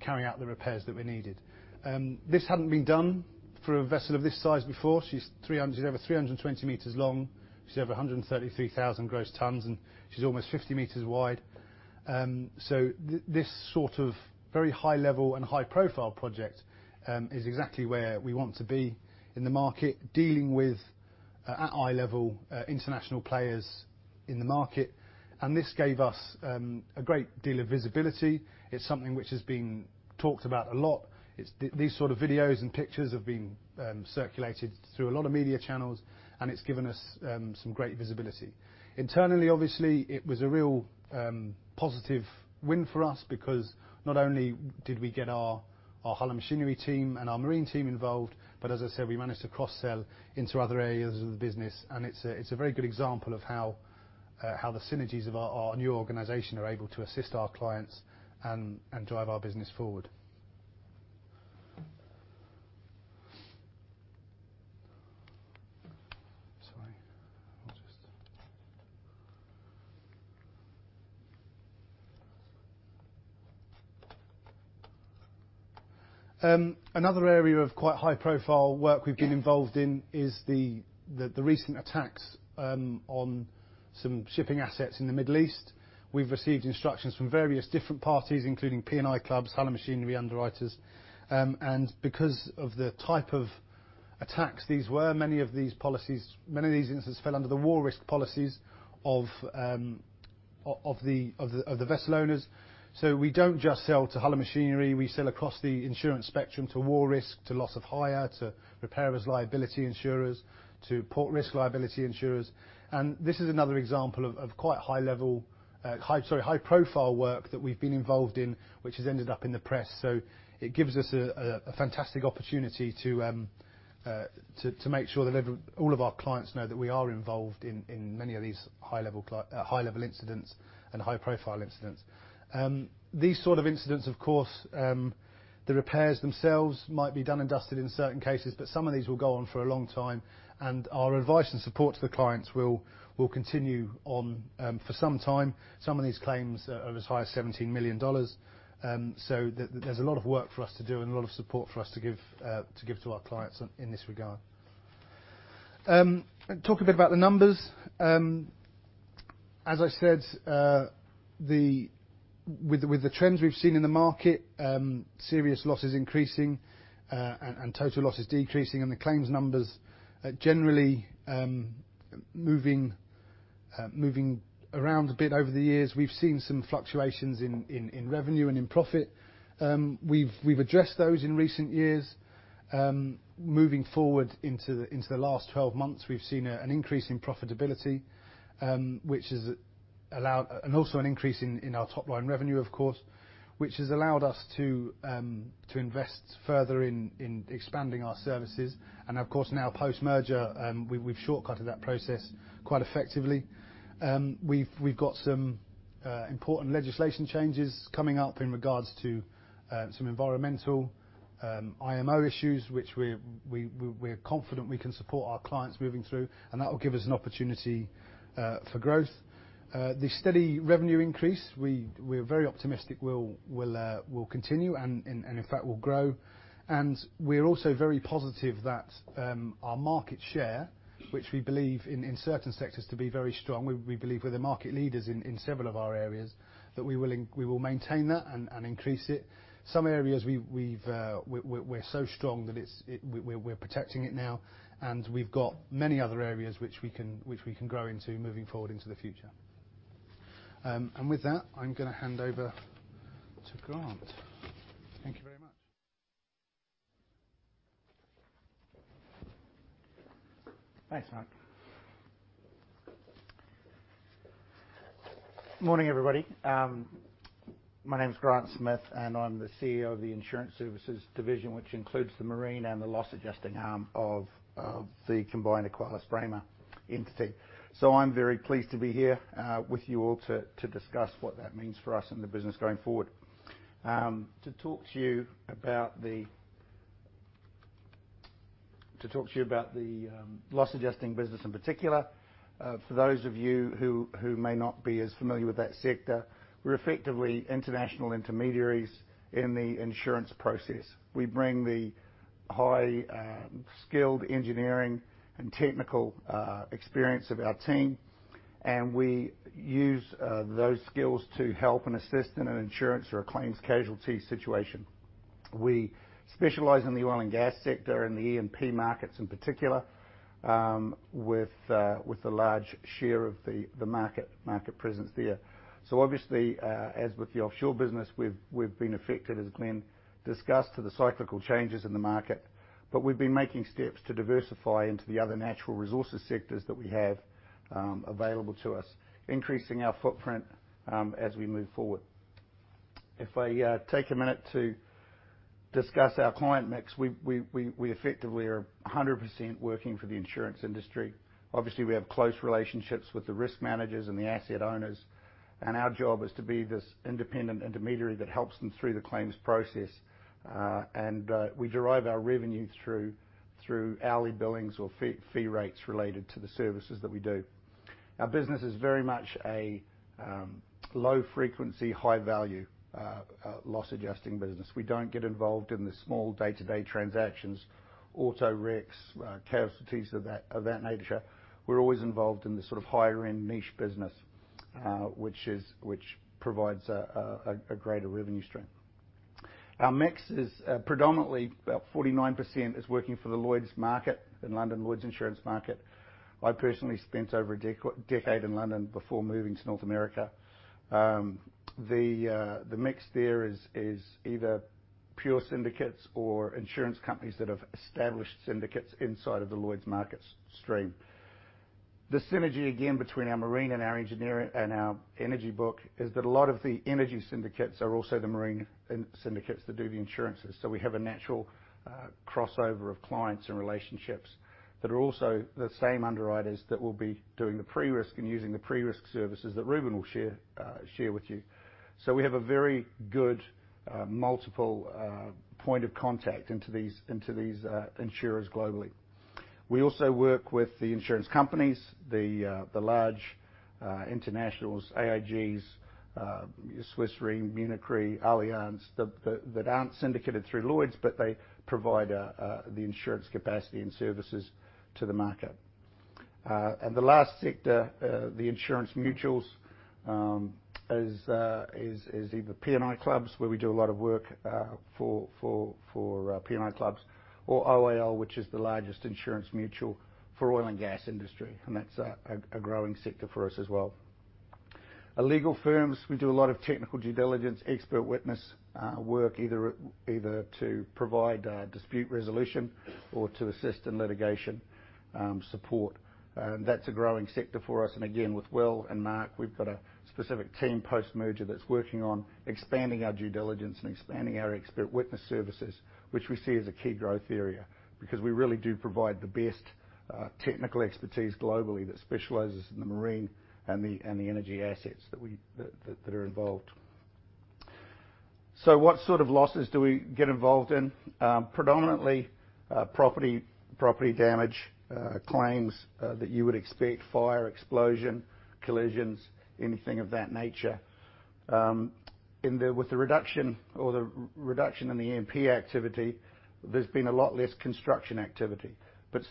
carry out the repairs that were needed. This hadn't been done for a vessel of this size before. She's over 320 meters long. She's over 133,000 gross tons. She's almost 50 meters wide. This sort of very high level and high profile project is exactly where we want to be in the market, dealing with, at eye level, international players in the market. This gave us a great deal of visibility. It's something which has been talked about a lot. These sort of videos and pictures have been circulated through a lot of media channels. It's given us some great visibility. Internally, obviously, it was a real positive win for us, because not only did we get our hull and machinery team and our marine team involved, but as I said, we managed to cross-sell into other areas of the business. It's a very good example of how the synergies of our new organization are able to assist our clients and drive our business forward. Another area of quite high profile work we've been involved in is the recent attacks on some shipping assets in the Middle East. We've received instructions from various different parties, including P&I clubs, hull and machinery underwriters. Because of the type of attacks these were, many of these instances fell under the war risk policies of the vessel owners. We don't just sell to hull and machinery, we sell across the insurance spectrum to war risk, to loss of hire, to repairer's liability insurers, to port risk liability insurers. This is another example of quite high profile work that we've been involved in, which has ended up in the press. It gives us a fantastic opportunity to make sure that all of our clients know that we are involved in many of these high-level incidents and high-profile incidents. These sort of incidents, of course, the repairs themselves might be done and dusted in certain cases, but some of these will go on for a long time, and our advice and support to the clients will continue on for some time. Some of these claims are as high as NOK 17 million. There's a lot of work for us to do and a lot of support for us to give to our clients in this regard. Talk a bit about the numbers. As I said, with the trends we've seen in the market, serious losses increasing and total losses decreasing and the claims numbers generally moving around a bit over the years. We've seen some fluctuations in revenue and in profit. We've addressed those in recent years. Moving forward into the last 12 months, we've seen an increase in profitability, and also an increase in our top-line revenue, of course, which has allowed us to invest further in expanding our services. Of course, now post-merger, we've shortcutted that process quite effectively. We've got some important legislation changes coming up in regards to some environmental IMO issues, which we're confident we can support our clients moving through, and that will give us an opportunity for growth. The steady revenue increase, we are very optimistic will continue, and in fact, will grow. We're also very positive that our market share, which we believe in certain sectors to be very strong, we believe we're the market leaders in several of our areas, that we will maintain that and increase it. Some areas, we're so strong that we're protecting it now, and we've got many other areas which we can grow into moving forward into the future. With that, I'm going to hand over to Grant. Thank you very much. Thanks, Mark. Morning, everybody. My name's Grant Smith, and I'm the COO of the Insurance Services division, which includes the marine and the loss adjusting arm of the combined AqualisBraemar entity. I'm very pleased to be here with you all to discuss what that means for us and the business going forward. To talk to you about the loss adjusting business, in particular, for those of you who may not be as familiar with that sector, we're effectively international intermediaries in the insurance process. We bring the high-skilled engineering and technical experience of our team, and we use those skills to help and assist in an insurance or a claims casualty situation. We specialize in the oil and gas sector, in the E&P markets in particular, with a large share of the market presence there. Obviously, as with the offshore business, we've been affected, as Glen discussed, to the cyclical changes in the market. We've been making steps to diversify into the other natural resources sectors that we have available to us, increasing our footprint as we move forward. If I take a minute to discuss our client mix, we effectively are 100% working for the insurance industry. Obviously, we have close relationships with the risk managers and the asset owners, and our job is to be this independent intermediary that helps them through the claims process. We derive our revenue through hourly billings or fee rates related to the services that we do. Our business is very much a low frequency, high value loss adjusting business. We don't get involved in the small day-to-day transactions, auto wrecks, casualties of that nature. We're always involved in the sort of higher end niche business, which provides a greater revenue stream. Our mix is predominantly about 49% is working for the Lloyd's market, in London Lloyd's Insurance market. I personally spent over a decade in London before moving to North America. The mix there is either pure syndicates or insurance companies that have established syndicates inside of the Lloyd's markets stream. The synergy, again, between our marine and our engineering and our energy book is that a lot of the energy syndicates are also the marine syndicates that do the insurances. We have a natural crossover of clients and relationships that are also the same underwriters that will be doing the pre-risk and using the pre-risk services that Reuben will share with you. We have a very good multiple point of contact into these insurers globally. We also work with the insurance companies, the large internationals, AIGs, Swiss Re, Munich Re, Allianz, that aren't syndicated through Lloyd's, but they provide the insurance capacity and services to the market. The last sector, the insurance mutuals, is either P&I clubs, where we do a lot of work for P&I clubs, or OIL, which is the largest insurance mutual for oil and gas industry, and that's a growing sector for us as well. Legal firms, we do a lot of technical due diligence, expert witness work, either to provide dispute resolution or to assist in litigation support. That's a growing sector for us. Again, with Will and Mark, we've got a specific team post-merger that's working on expanding our due diligence and expanding our expert witness services, which we see as a key growth area, because we really do provide the best technical expertise globally that specializes in the marine and the energy assets that are involved. What sort of losses do we get involved in? Predominantly property damage claims that you would expect, fire, explosion, collisions, anything of that nature. With the reduction in the E&P activity, there's been a lot less construction activity.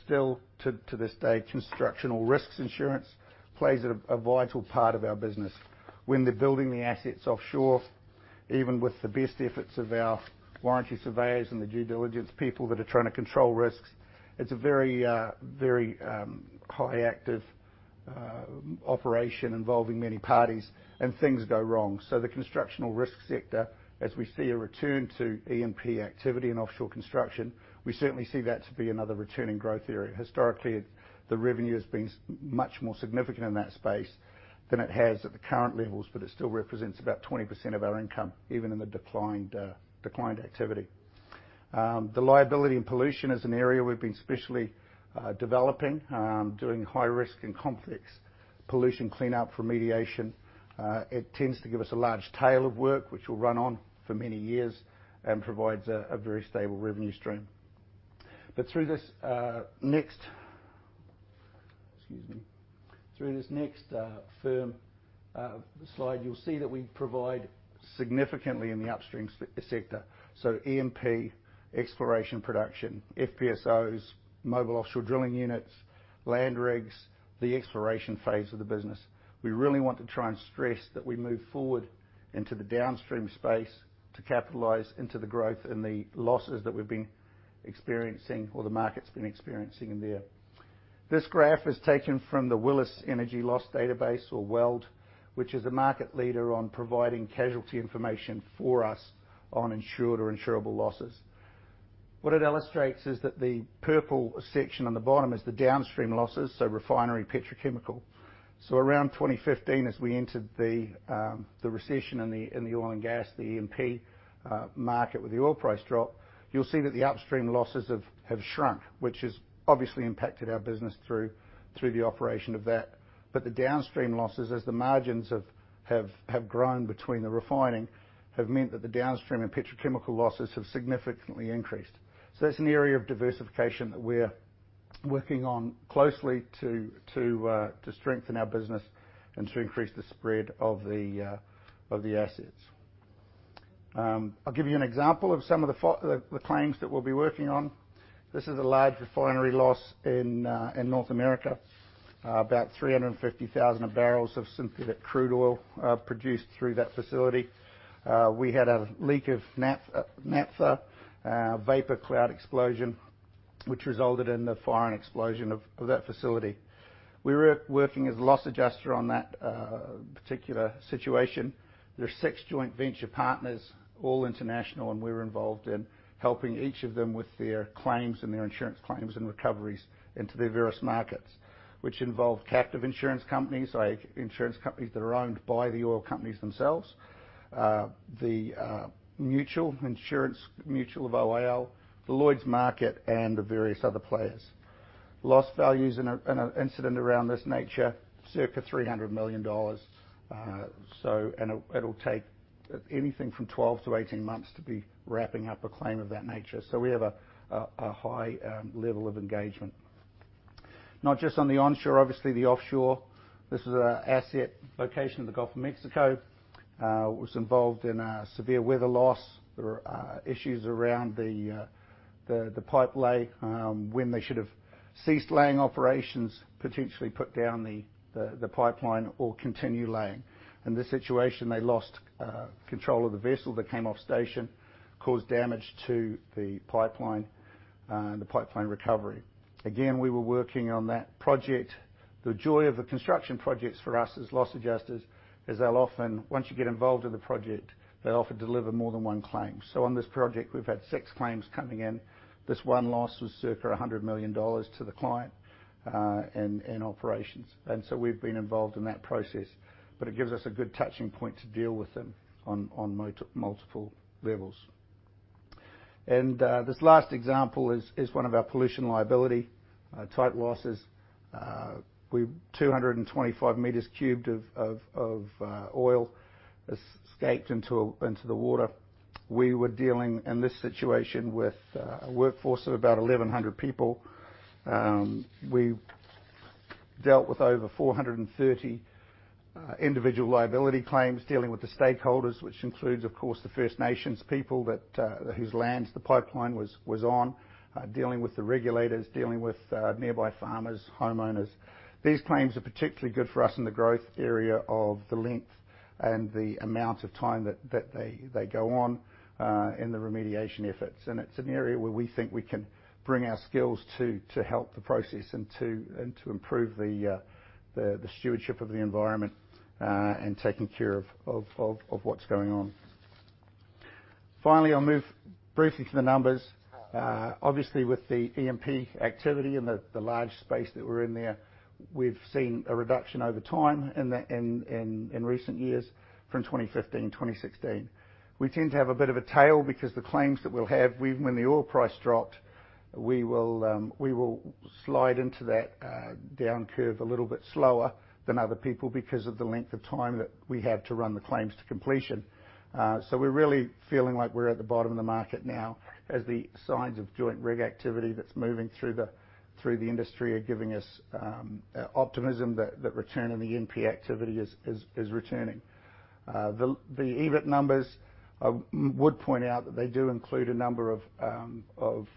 Still to this day, constructional risks insurance plays a vital part of our business. When they're building the assets offshore, even with the best efforts of our warranty surveyors and the due diligence people that are trying to control risks, it's a very high active operation involving many parties, and things go wrong. The constructional risk sector, as we see a return to E&P activity and offshore construction, we certainly see that to be another returning growth area. Historically, the revenue has been much more significant in that space than it has at the current levels, but it still represents about 20% of our income, even in the declined activity. The liability and pollution is an area we've been specially developing, doing high risk and complex pollution cleanup for mediation. It tends to give us a large tail of work, which will run on for many years and provides a very stable revenue stream. Through this next firm slide, you'll see that we provide significantly in the upstream sector. E&P, exploration production, FPSOs, mobile offshore drilling units, land rigs, the exploration phase of the business. We really want to try and stress that we move forward into the downstream space to capitalize into the growth and the losses that we've been experiencing, or the market's been experiencing there. This graph is taken from the Willis Energy Loss Database, or WELD, which is a market leader on providing casualty information for us on insured or insurable losses. What it illustrates is that the purple section on the bottom is the downstream losses, so refinery petrochemical. Around 2015, as we entered the recession in the oil and gas, the E&P market with the oil price drop, you'll see that the upstream losses have shrunk, which has obviously impacted our business through the operation of that. The downstream losses, as the margins have grown between the refining, have meant that the downstream and petrochemical losses have significantly increased. That's an area of diversification that we're working on closely to strengthen our business and to increase the spread of the assets. I'll give you an example of some of the claims that we'll be working on. This is a large refinery loss in North America. About 350,000 barrels of synthetic crude oil are produced through that facility. We had a leak of naphtha, a vapor cloud explosion, which resulted in the fire and explosion of that facility. We were working as a loss adjuster on that particular situation. There are six joint venture partners, all international, and we were involved in helping each of them with their claims and their insurance claims and recoveries into their various markets, which involve captive insurance companies, like insurance companies that are owned by the oil companies themselves. The mutual insurance, Mutual of OIL, the Lloyd's market, and the various other players. Loss values in an incident around this nature, circa $300 million. It'll take anything from 12 to 18 months to be wrapping up a claim of that nature. We have a high level of engagement. Not just on the onshore, obviously the offshore. This is an asset location in the Gulf of Mexico. It was involved in a severe weather loss. There were issues around the pipe lay, when they should have ceased laying operations, potentially put down the pipeline or continue laying. In this situation, they lost control of the vessel that came off station, caused damage to the pipeline, and the pipeline recovery. Again, we were working on that project. The joy of the construction projects for us as loss adjusters is they'll often, once you get involved in the project, they often deliver more than one claim. On this project, we've had six claims coming in. This one loss was circa $100 million to the client and operations. We've been involved in that process, but it gives us a good touching point to deal with them on multiple levels. This last example is one of our pollution liability type losses. 225 meters cubed of oil escaped into the water. We were dealing in this situation with a workforce of about 1,100 people. We dealt with over 430 individual liability claims, dealing with the stakeholders, which includes, of course, the First Nations people whose lands the pipeline was on, dealing with the regulators, dealing with nearby farmers, homeowners. These claims are particularly good for us in the growth area of the length and the amount of time that they go on in the remediation efforts. It's an area where we think we can bring our skills to help the process and to improve the stewardship of the environment and taking care of what's going on. Finally, I'll move briefly to the numbers. Obviously, with the E&P activity and the large space that we're in there, we've seen a reduction over time in recent years from 2015 to 2016. We tend to have a bit of a tail because the claims that we'll have, even when the oil price dropped, we will slide into that down curve a little bit slower than other people because of the length of time that we have to run the claims to completion. We're really feeling like we're at the bottom of the market now as the signs of joint rig activity that's moving through the industry are giving us optimism that return in the E&P activity is returning. The EBIT numbers, I would point out that they do include a number of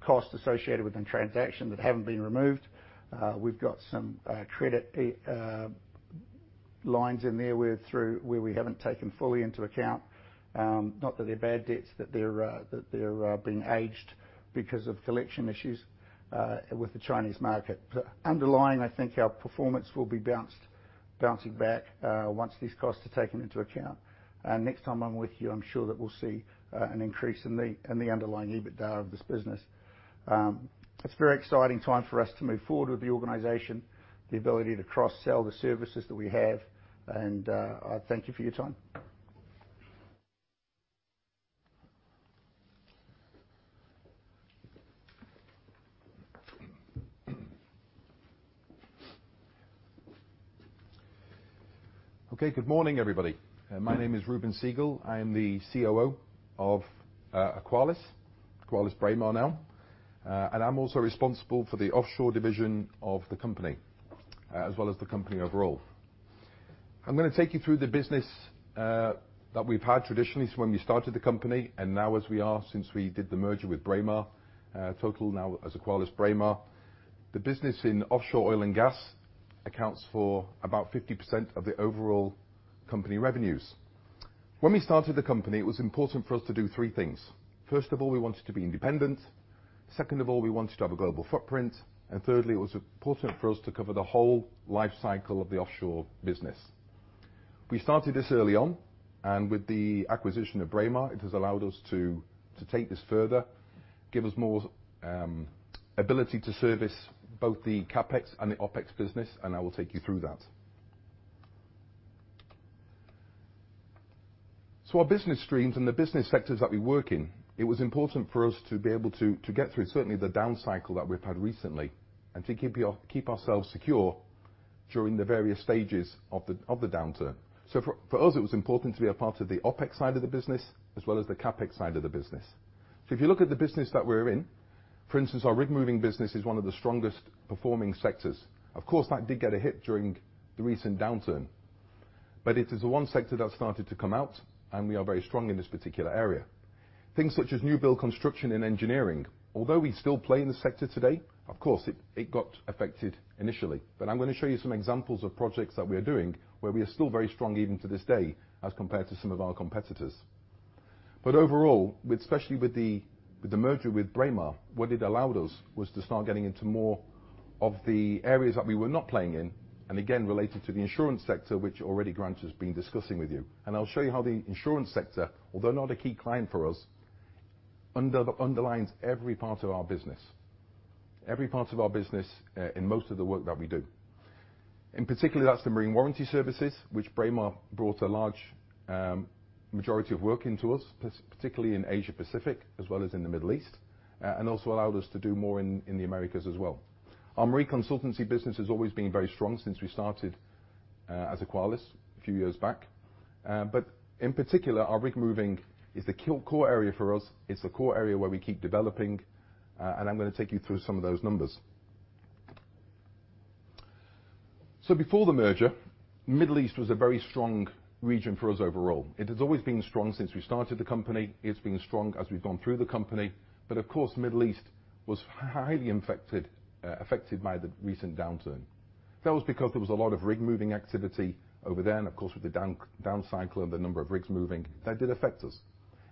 costs associated with the transaction that haven't been removed. We've got some credit lines in there where we haven't taken fully into account, not that they're bad debts, that they're being aged because of collection issues with the Chinese market. Underlying, I think our performance will be bouncing back once these costs are taken into account. Next time I'm with you, I'm sure that we'll see an increase in the underlying EBITDA of this business. It's a very exciting time for us to move forward with the organization, the ability to cross-sell the services that we have. I thank you for your time. Okay, good morning, everybody. My name is Reuben Segal. I am the COO of Aqualis, AqualisBraemar now, and I'm also responsible for the offshore division of the company, as well as the company overall. I'm going to take you through the business that we've had traditionally, so when we started the company, and now as we are since we did the merger with Braemar, total now as AqualisBraemar. The business in offshore oil and gas accounts for about 50% of the overall company revenues. When we started the company, it was important for us to do three things. First of all, we wanted to be independent. Second of all, we wanted to have a global footprint. Thirdly, it was important for us to cover the whole life cycle of the offshore business. We started this early on. With the acquisition of Braemar, it has allowed us to take this further, give us more ability to service both the CapEx and the OpEx business. I will take you through that. Our business streams and the business sectors that we work in, it was important for us to be able to get through, certainly, the down cycle that we've had recently and to keep ourselves secure during the various stages of the downturn. For us, it was important to be a part of the OpEx side of the business as well as the CapEx side of the business. If you look at the business that we're in, for instance, our rig moving business is one of the strongest performing sectors. That did get a hit during the recent downturn, it is the one sector that started to come out, and we are very strong in this particular area. Things such as new build construction and engineering, although we still play in the sector today, of course, it got affected initially. I'm going to show you some examples of projects that we are doing where we are still very strong, even to this day, as compared to some of our competitors. Overall, especially with the merger with Braemar, what it allowed us was to start getting into more of the areas that we were not playing in, and again, related to the insurance sector, which already Grant has been discussing with you. I'll show you how the insurance sector, although not a key client for us, underlines every part of our business. Every part of our business in most of the work that we do. In particular, that's the marine warranty services, which Braemar brought a large majority of work into us, particularly in Asia-Pacific as well as in the Middle East, and also allowed us to do more in the Americas as well. Our marine consultancy business has always been very strong since we started as Aqualis a few years back. In particular, our rig moving is the core area for us. It's the core area where we keep developing. I'm going to take you through some of those numbers. Before the merger, Middle East was a very strong region for us overall. It has always been strong since we started the company. It's been strong as we've gone through the company. Of course, Middle East was highly affected by the recent downturn. That was because there was a lot of rig moving activity over there, and of course, with the down cycle and the number of rigs moving, that did affect us.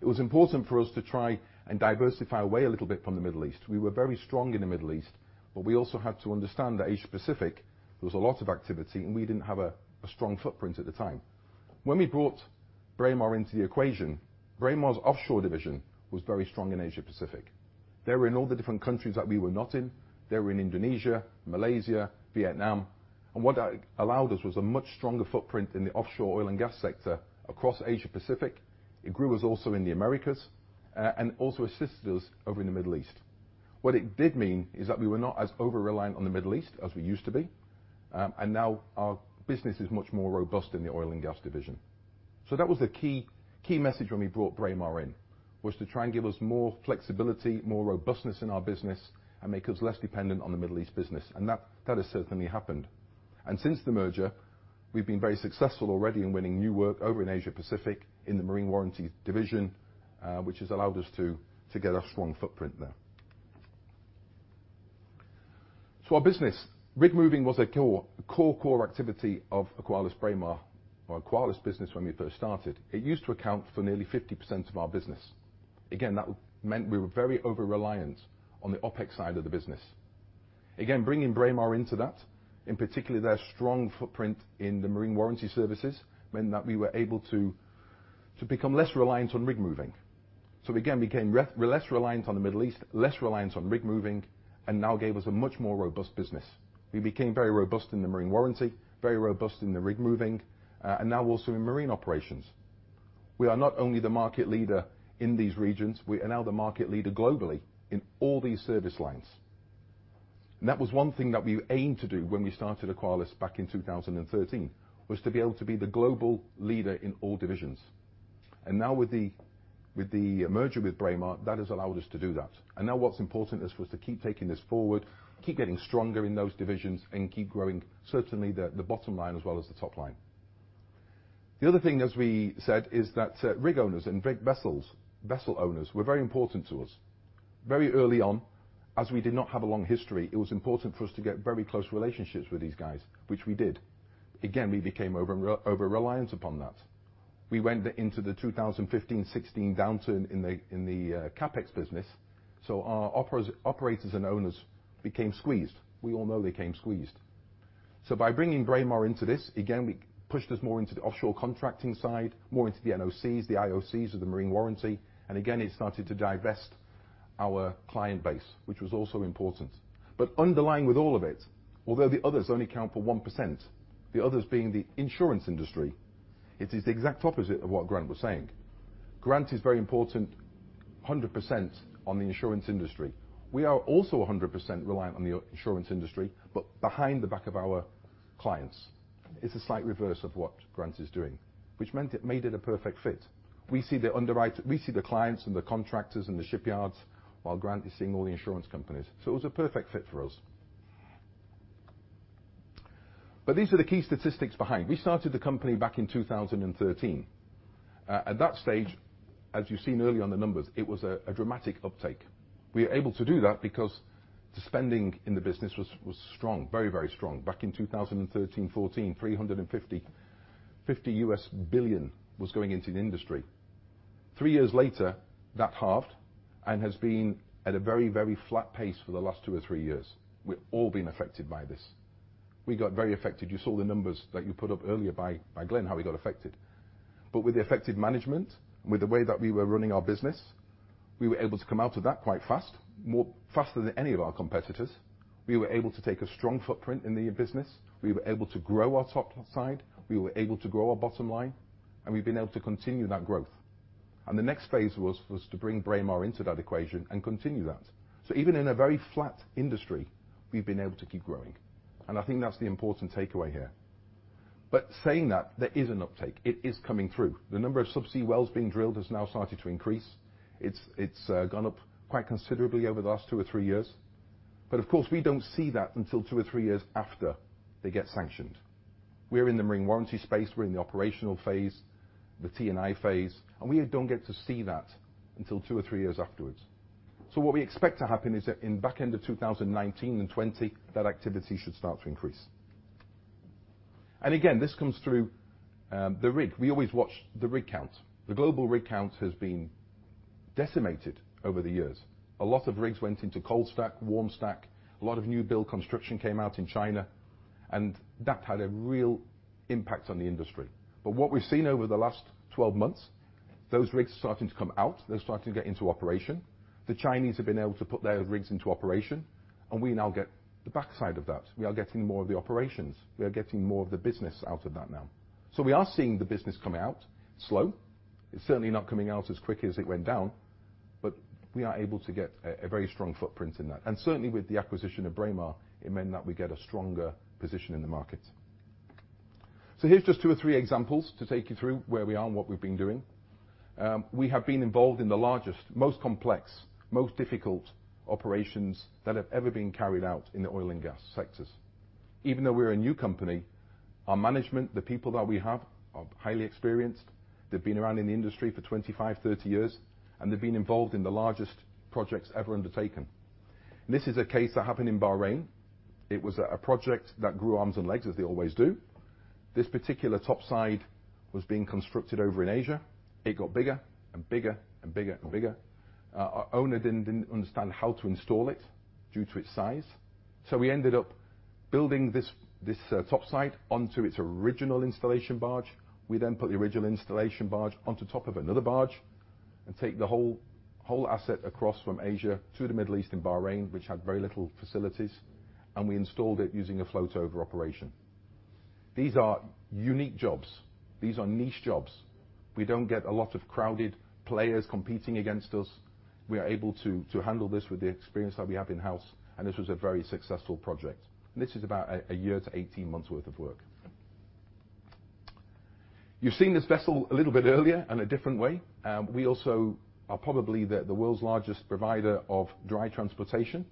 It was important for us to try and diversify away a little bit from the Middle East. We were very strong in the Middle East, but we also had to understand that Asia-Pacific, there was a lot of activity, and we didn't have a strong footprint at the time. When we brought Braemar into the equation, Braemar's offshore division was very strong in Asia-Pacific. They were in all the different countries that we were not in. They were in Indonesia, Malaysia, Vietnam. What that allowed us was a much stronger footprint in the offshore oil and gas sector across Asia-Pacific. It grew us also in the Americas, and also assisted us over in the Middle East. What it did mean is that we were not as over-reliant on the Middle East as we used to be. Now our business is much more robust in the oil and gas division. That was the key message when we brought Braemar in, was to try and give us more flexibility, more robustness in our business, and make us less dependent on the Middle East business. That has certainly happened. Since the merger, we've been very successful already in winning new work over in Asia-Pacific in the marine warranty division, which has allowed us to get a strong footprint there. Our business, rig moving was a core activity of AqualisBraemar or Aqualis business when we first started. It used to account for nearly 50% of our business. That meant we were very over-reliant on the OpEx side of the business. Bringing Braemar into that, in particular, their strong footprint in the marine warranty services, meant that we were able to become less reliant on rig moving. We became less reliant on the Middle East, less reliant on rig moving, and now gave us a much more robust business. We became very robust in the marine warranty, very robust in the rig moving, and now also in marine operations. We are not only the market leader in these regions, we are now the market leader globally in all these service lines. That was one thing that we aimed to do when we started Aqualis back in 2013, was to be able to be the global leader in all divisions. Now with the merger with Braemar, that has allowed us to do that. Now what's important is for us to keep taking this forward, keep getting stronger in those divisions, and keep growing, certainly, the bottom line as well as the top line. The other thing, as we said, is that rig owners and vessel owners were very important to us. Very early on, as we did not have a long history, it was important for us to get very close relationships with these guys, which we did. Again, we became over-reliant upon that. We went into the 2015-16 downturn in the CapEx business, so our operators and owners became squeezed. We all know they came squeezed. By bringing Braemar into this, again, we pushed us more into the offshore contracting side, more into the NOCs, the IOCs of the marine warranty. Again, it started to divest our client base, which was also important. Underlying with all of it, although the others only account for 1%, the others being the insurance industry, it is the exact opposite of what Grant was saying. Grant is very important, 100% on the insurance industry. We are also 100% reliant on the insurance industry. Behind the back of our clients. It's a slight reverse of what Grant is doing, which meant it made it a perfect fit. We see the underwriter, we see the clients and the contractors and the shipyards while Grant is seeing all the insurance companies. It was a perfect fit for us. These are the key statistics behind. We started the company back in 2013. At that stage, as you've seen earlier on the numbers, it was a dramatic uptake. We are able to do that because the spending in the business was strong, very, very strong. Back in 2013, 2014, $350 billion was going into the industry. Three years later, that halved and has been at a very, very flat pace for the last two or three years. We've all been affected by this. We got very affected. You saw the numbers that you put up earlier by Glen, how we got affected. With the effective management, with the way that we were running our business, we were able to come out of that quite fast, faster than any of our competitors. We were able to take a strong footprint in the business. We were able to grow our top side, we were able to grow our bottom line, and we've been able to continue that growth. The next phase was to bring Braemar into that equation and continue that. Even in a very flat industry, we've been able to keep growing, and I think that's the important takeaway here. Saying that, there is an uptake. It is coming through. The number of subsea wells being drilled has now started to increase. It's gone up quite considerably over the last two or three years. Of course, we don't see that until two or three years after they get sanctioned. We're in the marine warranty space, we're in the operational phase, the T&I phase, and we don't get to see that until two or three years afterwards. What we expect to happen is that in back end of 2019 and 2020, that activity should start to increase. Again, this comes through the rig. We always watch the rig count. The global rig count has been decimated over the years. A lot of rigs went into cold stack, warm stack. A lot of new build construction came out in China, that had a real impact on the industry. What we've seen over the last 12 months, those rigs are starting to come out. They're starting to get into operation. The Chinese have been able to put their rigs into operation, we now get the backside of that. We are getting more of the operations. We are getting more of the business out of that now. We are seeing the business come out slow. It's certainly not coming out as quick as it went down, but we are able to get a very strong footprint in that. Certainly, with the acquisition of Braemar, it meant that we get a stronger position in the market. Here's just two or three examples to take you through where we are and what we've been doing. We have been involved in the largest, most complex, most difficult operations that have ever been carried out in the oil and gas sectors. Even though we're a new company, our management, the people that we have, are highly experienced. They've been around in the industry for 25, 30 years, and they've been involved in the largest projects ever undertaken. This is a case that happened in Bahrain. It was a project that grew arms and legs, as they always do. This particular topside was being constructed over in Asia. It got bigger and bigger and bigger and bigger. owner didn't understand how to install it due to its size. We ended up building this topside onto its original installation barge. We put the original installation barge onto top of another barge and take the whole asset across from Asia to the Middle East in Bahrain, which had very little facilities, and we installed it using a float-over operation. These are unique jobs. These are niche jobs. We don't get a lot of crowded players competing against us. We are able to handle this with the experience that we have in-house, and this was a very successful project. This is about a year to 18 months worth of work. You've seen this vessel a little bit earlier in a different way. We also are probably the world's largest provider of dry transportation,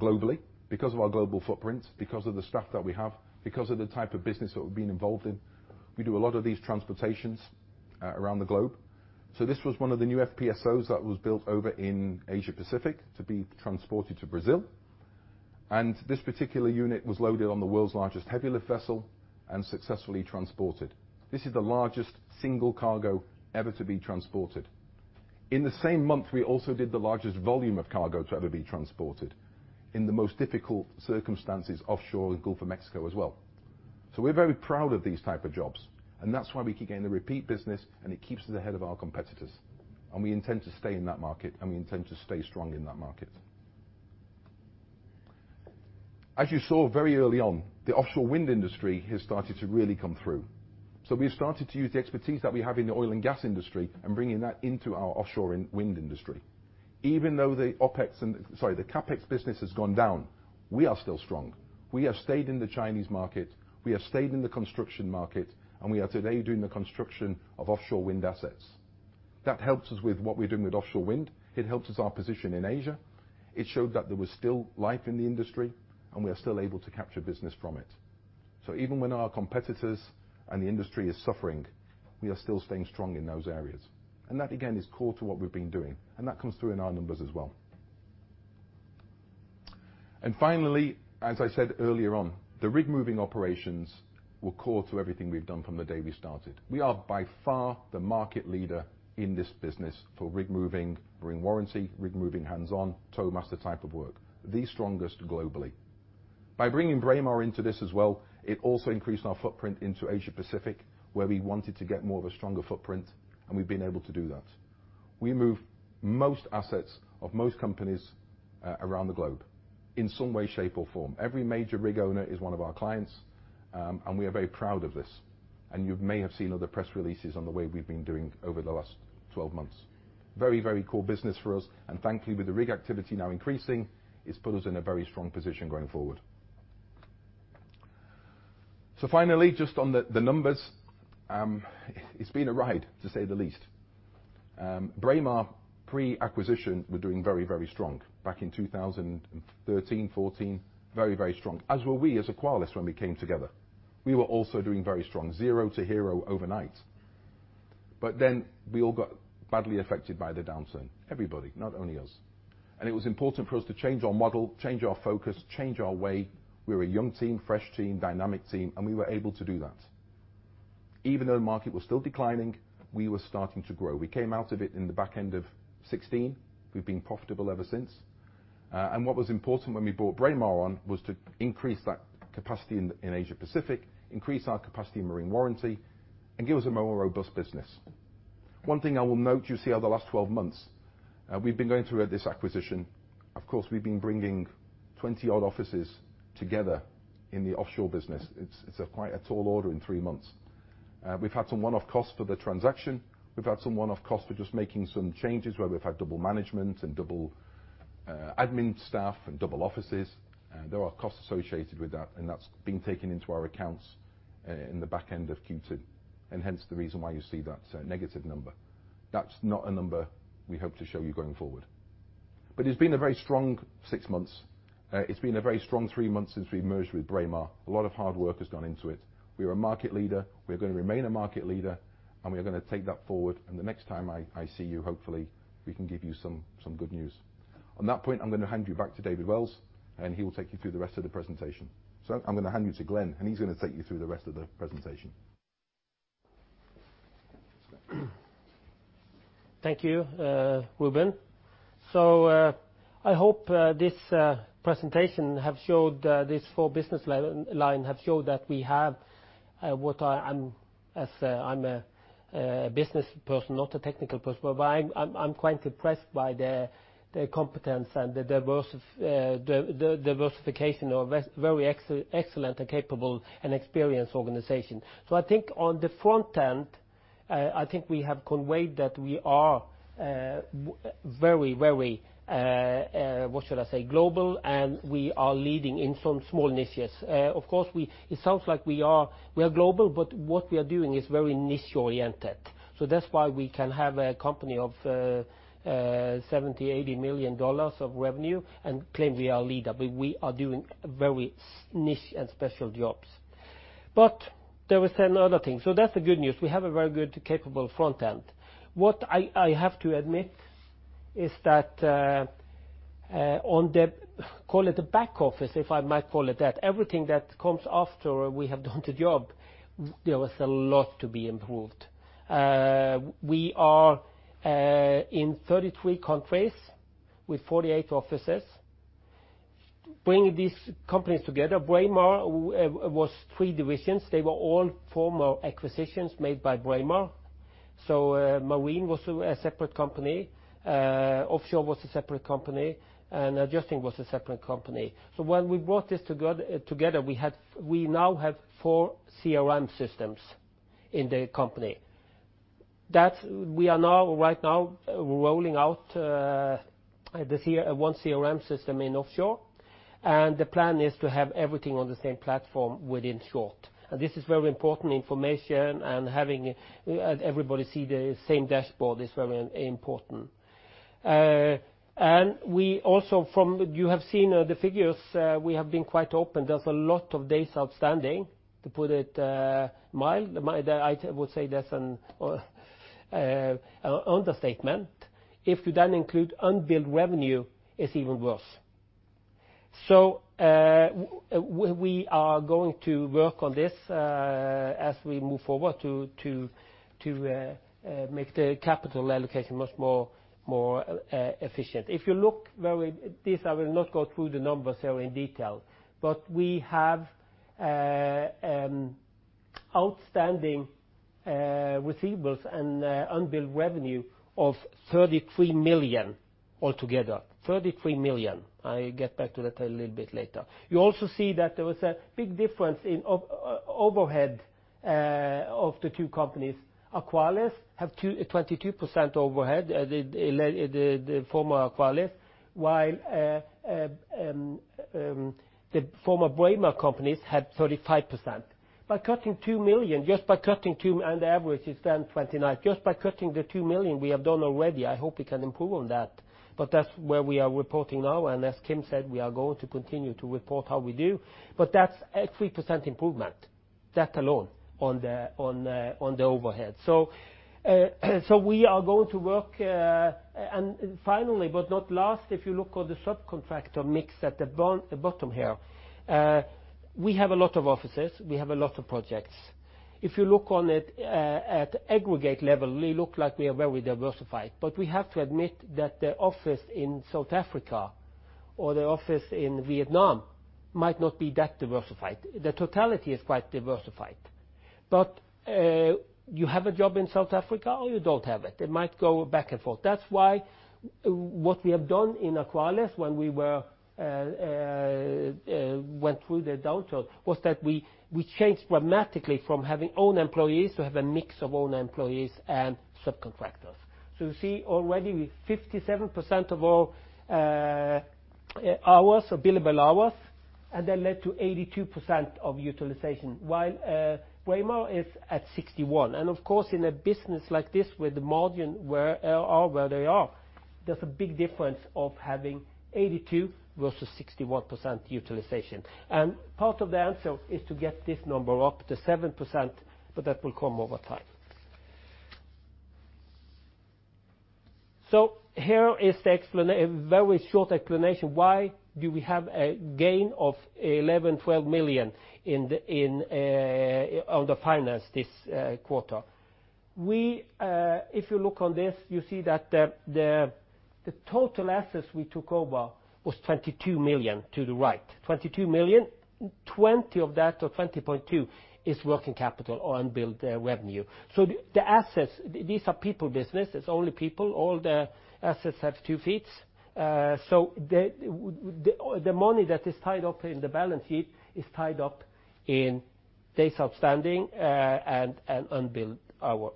globally because of our global footprint, because of the staff that we have, because of the type of business that we've been involved in. We do a lot of these transportations around the globe. This was one of the new FPSOs that was built over in Asia Pacific to be transported to Brazil. This particular unit was loaded on the world's largest heavy lift vessel and successfully transported. This is the largest single cargo ever to be transported. In the same month, we also did the largest volume of cargo to ever be transported in the most difficult circumstances offshore in the Gulf of Mexico as well. We’re very proud of these type of jobs, and that’s why we keep getting the repeat business, and it keeps us ahead of our competitors, and we intend to stay in that market, and we intend to stay strong in that market. As you saw very early on, the offshore wind industry has started to really come through. We've started to use the expertise that we have in the oil and gas industry and bringing that into our offshore wind industry. Even though the OpEx, sorry, the CapEx business has gone down, we are still strong. We have stayed in the Chinese market, we have stayed in the construction market, and we are today doing the construction of offshore wind assets. That helps us with what we're doing with offshore wind. It helps us our position in Asia. It showed that there was still life in the industry, and we are still able to capture business from it. Even when our competitors and the industry is suffering, we are still staying strong in those areas. That, again, is core to what we've been doing, and that comes through in our numbers as well. Finally, as I said earlier on, the rig moving operations were core to everything we’ve done from the day we started. We are by far the market leader in this business for rig moving, marine warranty, rig moving hands-on, tow master type of work, the strongest globally. By bringing Braemar into this as well, it also increased our footprint into Asia Pacific, where we wanted to get more of a stronger footprint, and we’ve been able to do that. We move most assets of most companies around the globe in some way, shape, or form. Every major rig owner is one of our clients, and we are very proud of this. You may have seen other press releases on the way we’ve been doing over the last 12 months. Very cool business for us, thankfully, with the rig activity now increasing, it's put us in a very strong position going forward. Finally, just on the numbers. It's been a ride, to say the least. Braemar pre-acquisition were doing very strong back in 2013, 2014. Very strong. As were we as Aqualis when we came together. We were also doing very strong, zero to hero overnight. Then we all got badly affected by the downturn. Everybody, not only us. It was important for us to change our model, change our focus, change our way. We were a young team, fresh team, dynamic team, we were able to do that. Even though the market was still declining, we were starting to grow. We came out of it in the back end of 2016. We've been profitable ever since. What was important when we brought Braemar on was to increase that capacity in Asia Pacific, increase our capacity in marine warranty, and give us a more robust business. One thing I will note, you see how the last 12 months, we've been going through this acquisition. Of course, we've been bringing 20 odd offices together in the offshore business. It's quite a tall order in three months. We've had some one-off costs for the transaction. We've had some one-off costs for just making some changes, where we've had double management and double admin staff and double offices. There are costs associated with that, and that's been taken into our accounts in the back end of Q2, and hence the reason why you see that negative number. That's not a number we hope to show you going forward. It's been a very strong six months. It's been a very strong three months since we merged with Braemar. A lot of hard work has gone into it. We are a market leader. We're going to remain a market leader, and we are going to take that forward. The next time I see you, hopefully, we can give you some good news. On that point, I'm going to hand you back to David Wells, and he will take you through the rest of the presentation. Sorry, I'm going to hand you to Glen, and he's going to take you through the rest of the presentation. Thank you, Reuben. I hope this presentation have showed these four business line, have showed that we have as I'm a business person, not a technical person, but I'm quite impressed by the competence and the diversification of a very excellent and capable and experienced organization. I think on the front end, I think we have conveyed that we are very, what should I say, global, and we are leading in some small niches. Of course, it sounds like we are global, but what we are doing is very niche oriented. That's why we can have a company of 70 million, NOK 80 million of revenue and claim we are a leader, but we are doing very niche and special jobs. There is another thing. That's the good news. We have a very good, capable front end. What I have to admit is that on the, call it the back office, if I might call it that, everything that comes after we have done the job, there was a lot to be improved. We are in 33 countries with 48 offices. Bringing these companies together, Braemar was three divisions. They were all former acquisitions made by Braemar. Marine was a separate company, Offshore was a separate company, and Adjusting was a separate company. When we brought this together, we now have four CRM systems in the company. We are now, right now, rolling out one CRM system in offshore, and the plan is to have everything on the same platform within short. This is very important information, and having everybody see the same dashboard is very important. We also from, you have seen the figures, we have been quite open. There's a lot of days outstanding, to put it mild. I would say that's an understatement. If you then include unbilled revenue, it's even worse. We are going to work on this as we move forward to make the capital allocation much more efficient. If you look very. This I will not go through the numbers here in detail, but we have outstanding receivables and unbilled revenue of 33 million altogether. 33 million. I get back to that a little bit later. You also see that there was a big difference in overhead of the two companies. Aqualis have 22% overhead, the former Aqualis, while the former Braemar companies had 35%. By cutting 2 million, just by cutting two, and the average is then 29. Just by cutting the 2 million we have done already, I hope we can improve on that. That's where we are reporting now, and as Kim said, we are going to continue to report how we do. That's a 3% improvement, that alone on the overhead. We are going to work. Finally, but not last, if you look on the subcontractor mix at the bottom here. We have a lot of offices. We have a lot of projects. If you look on it at aggregate level, we look like we are very diversified, but we have to admit that the office in South Africa or the office in Vietnam might not be that diversified. The totality is quite diversified. You have a job in South Africa, or you don't have it. It might go back and forth. That's why what we have done in Aqualis when we went through the downturn was that we changed dramatically from having own employees to have a mix of own employees and subcontractors. You see already with 57% of all billable hours, that led to 82% of utilization, while Braemar is at 61. Of course, in a business like this, with the margin where they are, there's a big difference of having 82% versus 61% utilization. Part of the answer is to get this number up to 7%, but that will come over time. Here is a very short explanation why do we have a gain of 11, 12 million on the finance this quarter. If you look on this, you see that the total assets we took over was 22 million to the right. 20 of that to 20.2 is working capital on unbilled revenue. The assets, these are people business. It's only people. All the assets have two feet. The money that is tied up in the balance sheet is tied up in days outstanding and unbilled hours.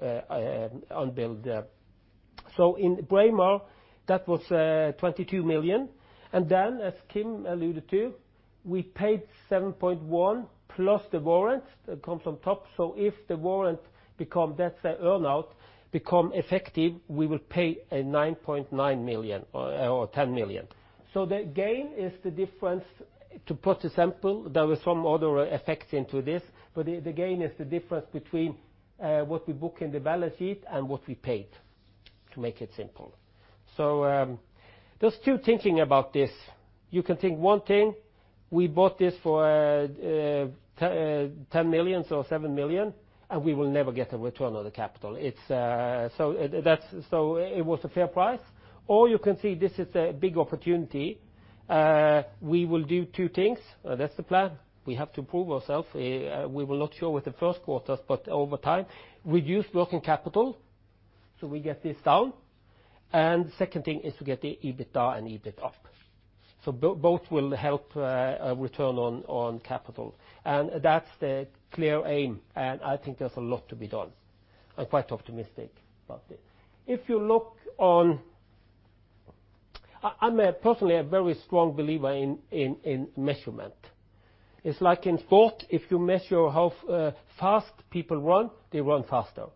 In Braemar, that was 22 million. As Kim alluded to, we paid 7.1, plus the warrant that comes on top. If the warrant, that's the earn-out, become effective, we will pay a 9.9 million or 10 million. The gain is the difference. To put a sample, there were some other effects into this, but the gain is the difference between what we book in the balance sheet and what we paid, to make it simple. There's two thinking about this. You can think one thing, we bought this for 10 million, so 7 million, and we will never get a return on the capital. It was a fair price. You can see this is a big opportunity. We will do two things. That's the plan. We have to prove ourselves. We will not show with the first quarters, but over time. Reduce working capital, we get this down. Second thing is to get the EBITDA and EBIT up. Both will help return on capital. That's the clear aim, and I think there's a lot to be done. I'm quite optimistic about this. I'm personally a very strong believer in measurement. It's like in sport, if you measure how fast people run, they run faster.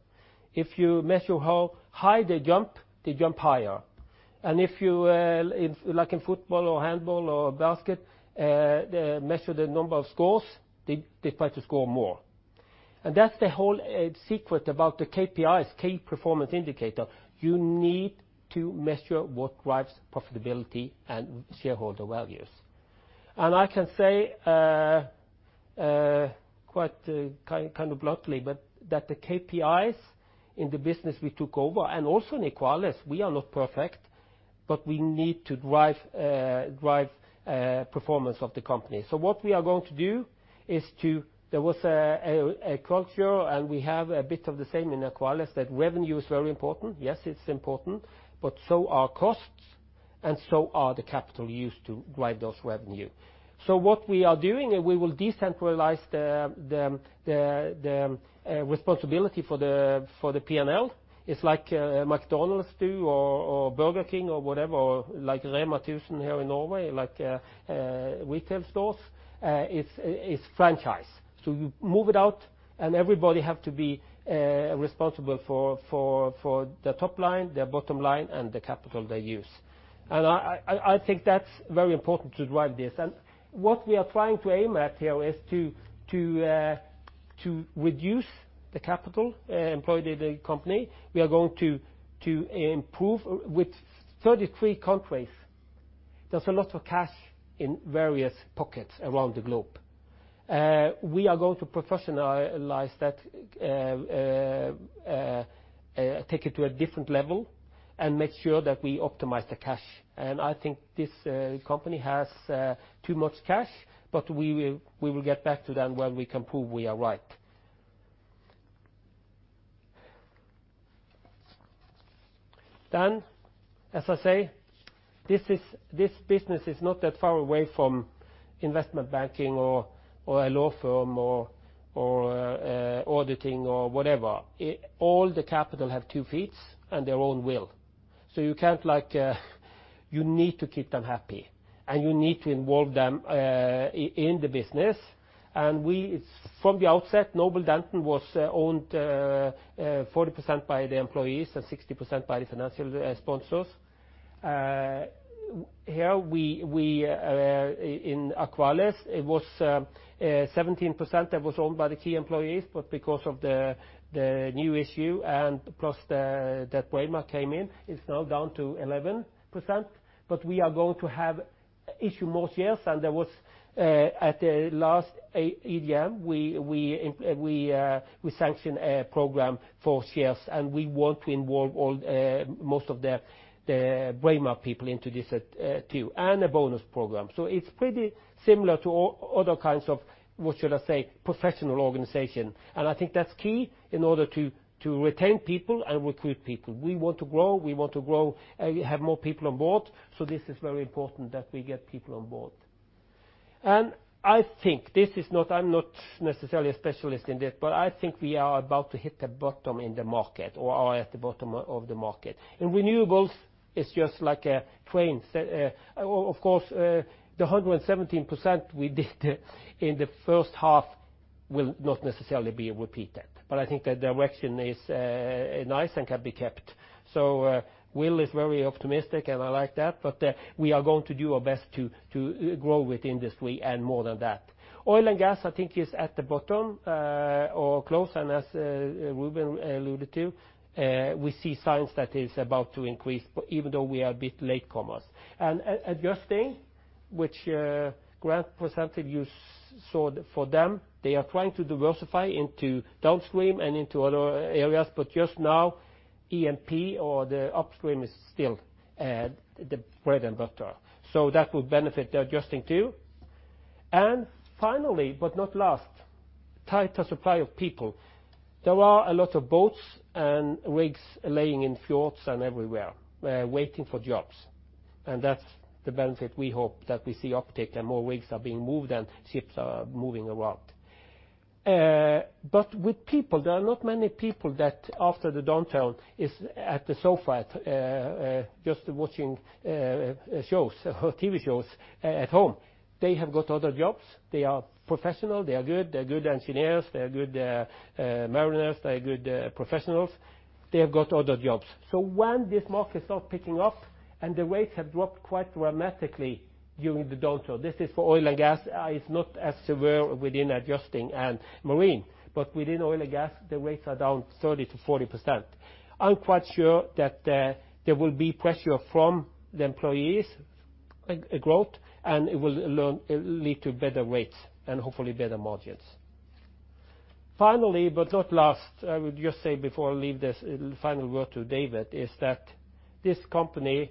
If you measure how high they jump, they jump higher. If you, like in football or handball or basket, measure the number of scores, they try to score more. That's the whole secret about the KPIs, key performance indicator. You need to measure what drives profitability and shareholder values. I can say quite kind of bluntly, but that the KPIs in the business we took over and also in Aqualis, we are not perfect, but we need to drive performance of the company. What we are going to do. There was a culture, and we have a bit of the same in Aqualis, that revenue is very important. Yes, it's important, but so are costs, and so are the capital used to drive those revenue. What we are doing, and we will decentralize the responsibility for the P&L. It's like McDonald's do or Burger King or whatever, like Rema 1000 here in Norway, like retail stores. It's franchise. You move it out, and everybody have to be responsible for their top line, their bottom line, and the capital they use. I think that's very important to drive this. What we are trying to aim at here is to reduce the capital employed in the company. We are going to improve with 33 countries. There's a lot of cash in various pockets around the globe. We are going to professionalize that, take it to a different level, and make sure that we optimize the cash. I think this company has too much cash, but we will get back to that when we can prove we are right. As I say, this business is not that far away from investment banking or a law firm or auditing or whatever. All the capital have two feet and their own will. You need to keep them happy, and you need to involve them in the business. From the outset, Noble Denton was owned 40% by the employees and 60% by the financial sponsors. Here in Aqualis, it was 17% that was owned by the key employees. Because of the new issue and plus that Braemar came in, it's now down to 11%. We are going to have issue more shares than there was at the last EGM. We sanctioned a program for shares, and we want to involve most of the Braemar people into this too, and a bonus program. It's pretty similar to all other kinds of, what should I say, professional organization. I think that's key in order to retain people and recruit people. We want to grow, we want to have more people on board. This is very important that we get people on board. I think, I'm not necessarily a specialist in this, but I think we are about to hit the bottom in the market or are at the bottom of the market. In renewables, it's just like a train. Of course, the 117% we did in the first half will not necessarily be repeated. I think the direction is nice and can be kept. Will is very optimistic, and I like that, but we are going to do our best to grow with industry and more than that. Oil and gas, I think is at the bottom, or close. As Reuben alluded to, we see signs that is about to increase even though we are a bit latecomers. Adjusting, which Grant presented, you saw for them, they are trying to diversify into downstream and into other areas. Just now, E&P or the upstream is still the bread and butter. That will benefit Adjusting too. Finally, but not last, tighter supply of people. There are a lot of boats and rigs laying in fjords and everywhere, waiting for jobs. That's the benefit we hope that we see uptick and more rigs are being moved and ships are moving around. With people, there are not many people that after the downturn is at the sofa, just watching TV shows at home. They have got other jobs. They are professional. They are good. They are good engineers. They are good mariners. They are good professionals. They have got other jobs. When this market start picking up and the rates have dropped quite dramatically during the downturn, this is for oil and gas. It's not as severe within Adjusting and Marine. Within oil and gas, the rates are down 30%-40%. I'm quite sure that there will be pressure from the employees, growth, and it will lead to better rates and hopefully better margins. Finally, but not last, I would just say before I leave this final word to David, is that this company,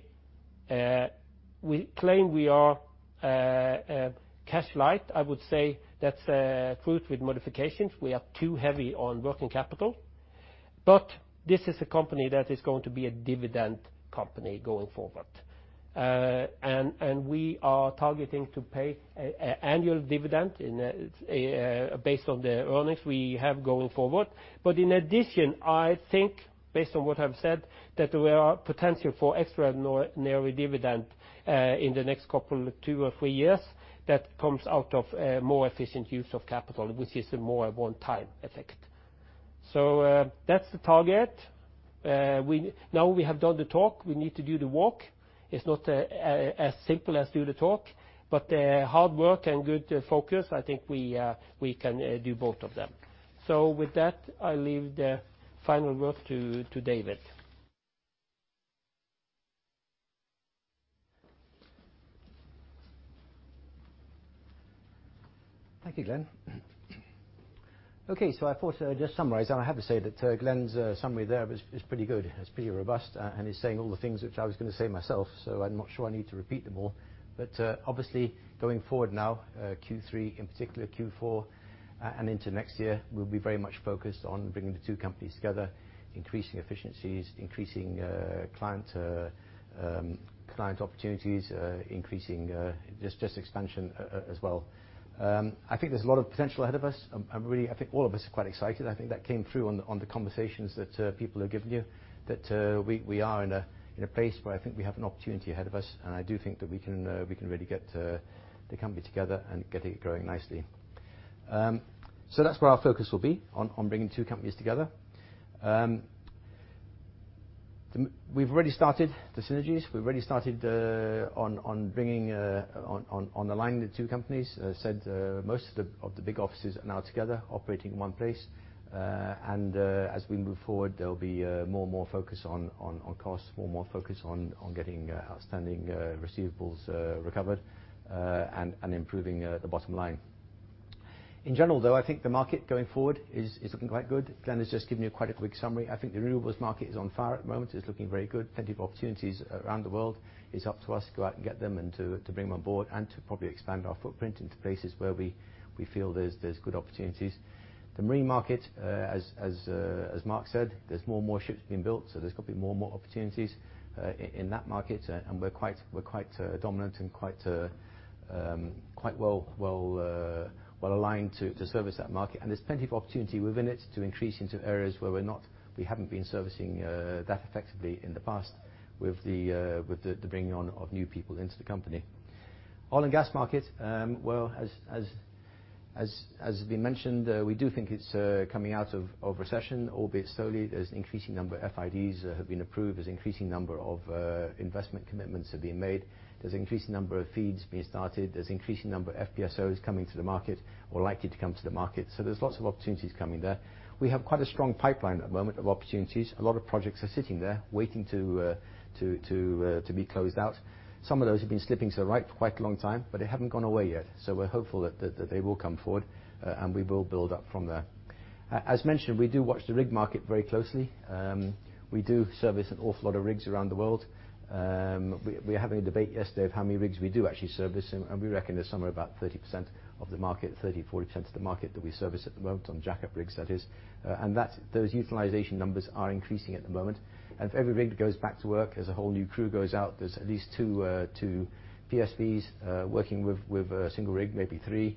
we claim we are cash light. I would say that's truth with modifications. We are too heavy on working capital. This is a company that is going to be a dividend company going forward. We are targeting to pay annual dividend based on the earnings we have going forward. In addition, I think based on what I've said, that there are potential for extraordinary dividend in the next couple, two or three years that comes out of a more efficient use of capital, which is a more one-time effect. That's the target. Now we have done the talk, we need to do the walk. It's not as simple as do the talk, hard work and good focus, I think we can do both of them. With that, I leave the final word to David. Thank you, Glen. Okay, I thought I'd just summarize, and I have to say that Glen's summary there is pretty good. It's pretty robust, he's saying all the things which I was going to say myself, I'm not sure I need to repeat them all. Obviously, going forward now, Q3, in particular Q4, and into next year, we'll be very much focused on bringing the two companies together, increasing efficiencies, increasing client opportunities, increasing just expansion as well. I think there's a lot of potential ahead of us. I think all of us are quite excited. I think that came through on the conversations that people have given you, that we are in a place where I think we have an opportunity ahead of us, I do think that we can really get the company together and get it growing nicely. That's where our focus will be on bringing two companies together. We've already started the synergies. We've already started on aligning the two companies. As I said, most of the big offices are now together operating in one place. As we move forward, there'll be more and more focus on costs, more and more focus on getting outstanding receivables recovered, and improving the bottom line. In general, though, I think the market going forward is looking quite good. Glen has just given you quite a quick summary. I think the renewables market is on fire at the moment. It's looking very good. Plenty of opportunities around the world. It's up to us to go out and get them and to bring them on board and to probably expand our footprint into places where we feel there's good opportunities. The marine market, as Mark said, there's more and more ships being built, there's going to be more and more opportunities in that market, and we're quite dominant and quite well-aligned to service that market. There's plenty of opportunity within it to increase into areas where we haven't been servicing that effectively in the past with the bringing on of new people into the company. Oil and gas market, well, as has been mentioned, we do think it's coming out of recession, albeit slowly. There's an increasing number of FIDs that have been approved. There's increasing number of investment commitments that are being made. There's increasing number of FEEDs being started. There's increasing number of FPSOs coming to the market or likely to come to the market. There's lots of opportunities coming there. We have quite a strong pipeline at the moment of opportunities. A lot of projects are sitting there waiting to be closed out. Some of those have been sitting to the right for quite a long time, but they haven't gone away yet. We're hopeful that they will come forward, and we will build up from there. As mentioned, we do watch the rig market very closely. We do service an awful lot of rigs around the world. We were having a debate yesterday of how many rigs we do actually service, and we reckon there's somewhere about 30% of the market, 30%-40% of the market that we service at the moment, on jackup rigs that is. Those utilization numbers are increasing at the moment. If every rig goes back to work, as a whole new crew goes out, there's at least 2 PSVs working with a single rig, maybe 3.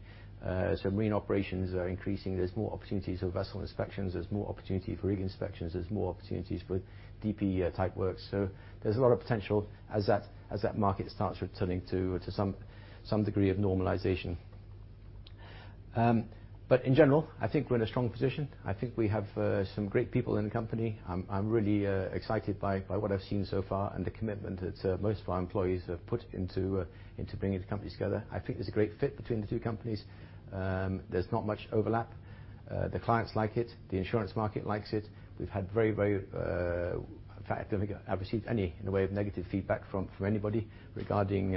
Marine operations are increasing. There's more opportunities for vessel inspections. There's more opportunity for rig inspections. There's more opportunities for DP type work. There's a lot of potential as that market starts returning to some degree of normalization. In general, I think we're in a strong position. I think we have some great people in the company. I'm really excited by what I've seen so far and the commitment that most of our employees have put into bringing the companies together. I think there's a great fit between the two companies. There's not much overlap. The clients like it. The insurance market likes it. We've had. In fact, I don't think I've received any in the way of negative feedback from anybody regarding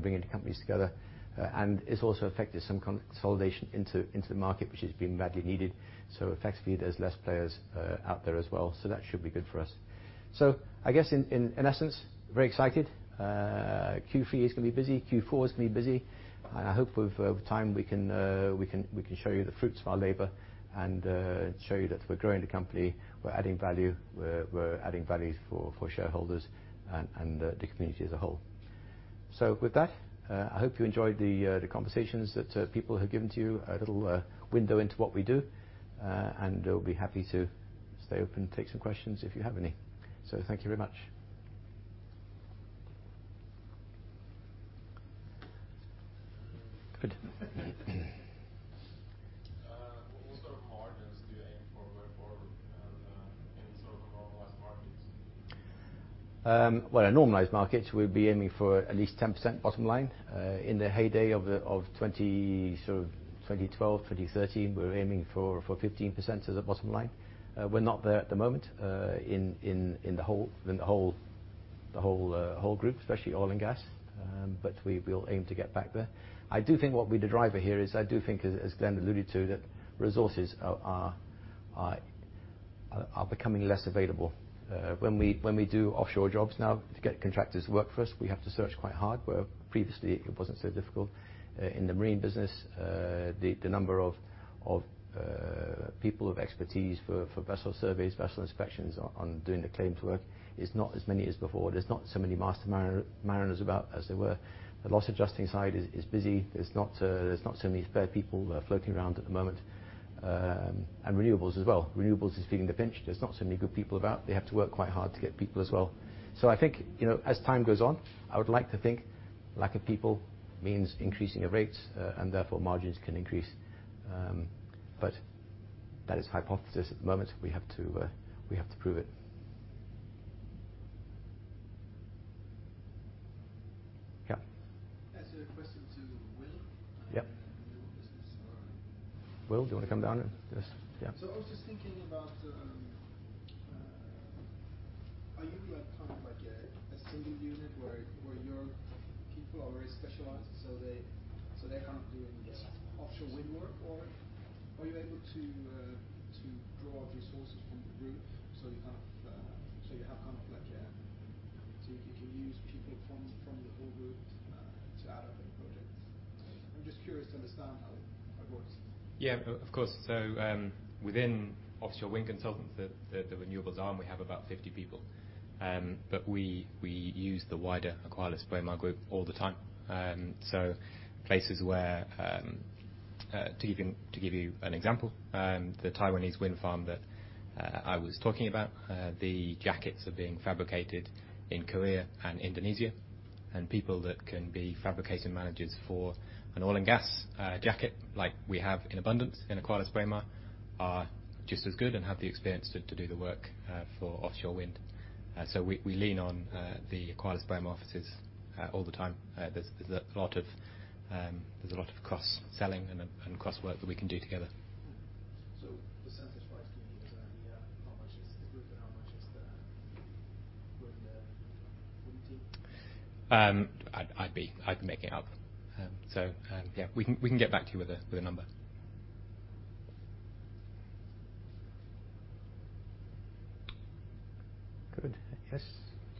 bringing the companies together. It's also affected some consolidation into the market, which has been badly needed. Effectively, there's less players out there as well. That should be good for us. I guess in essence, very excited. Q3 is going to be busy. Q4 is going to be busy. I hope with time we can show you the fruits of our labor and show you that we're growing the company, we're adding value, we're adding value for shareholders, and the community as a whole. With that, I hope you enjoyed the conversations that people have given to you, a little window into what we do. I'll be happy to stay open to take some questions if you have any. Thank you very much. Good. What sort of margins do you aim for going forward in sort of normalized markets? Well, in normalized markets, we'd be aiming for at least 10% bottom line. In the heyday of 2012, 2013, we were aiming for 15% as a bottom line. We're not there at the moment in the whole group, especially oil and gas. We'll aim to get back there. I do think what will be the driver here is, I do think, as Glen alluded to, that resources are becoming less available. When we do offshore jobs now, to get contractors to work for us, we have to search quite hard, where previously it wasn't so difficult. In the marine business, the number of people of expertise for vessel surveys, vessel inspections on doing the claims work is not as many as before. There's not so many master mariners about as there were. The loss adjusting side is busy. There's not so many spare people floating around at the moment. Renewables as well. Renewables is feeling the pinch. There's not so many good people about. They have to work quite hard to get people as well. I think as time goes on, I would like to think lack of people means increasing of rates, and therefore margins can increase. That is hypothesis at the moment. We have to prove it. Yeah. As a question to Will. Yeah. The renewables arm. Will, do you want to come down and just, yeah. I was just thinking about, are you kind of like a single unit where your people are very specialized, so they can't do any offshore wind work? Are you able to draw resources from the group so you can use people from the whole group to add on the projects? I'm just curious to understand how it works. Yeah, of course. Within Offshore Wind Consultants, the renewables arm, we have about 50 people. We use the wider AqualisBraemar group all the time. Places where, to give you an example, the Taiwanese wind farm that I was talking about, the jackets are being fabricated in Korea and Indonesia. People that can be fabrication managers for an oil and gas jacket, like we have in abundance in AqualisBraemar, are just as good and have the experience to do the work for offshore wind. We lean on the AqualisBraemar offices all the time. There's a lot of cross selling and cross work that we can do together. The census price, can you give us an idea how much is the group and how much is the wind team? I'd be making it up. Yeah, we can get back to you with a number. Good. Yes.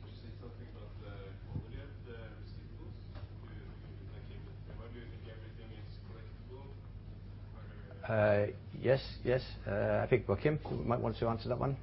Could you say something about the quality of the receivables? Do you, like, why do you think everything is collectible? Yes. I think Kim might want to answer that one.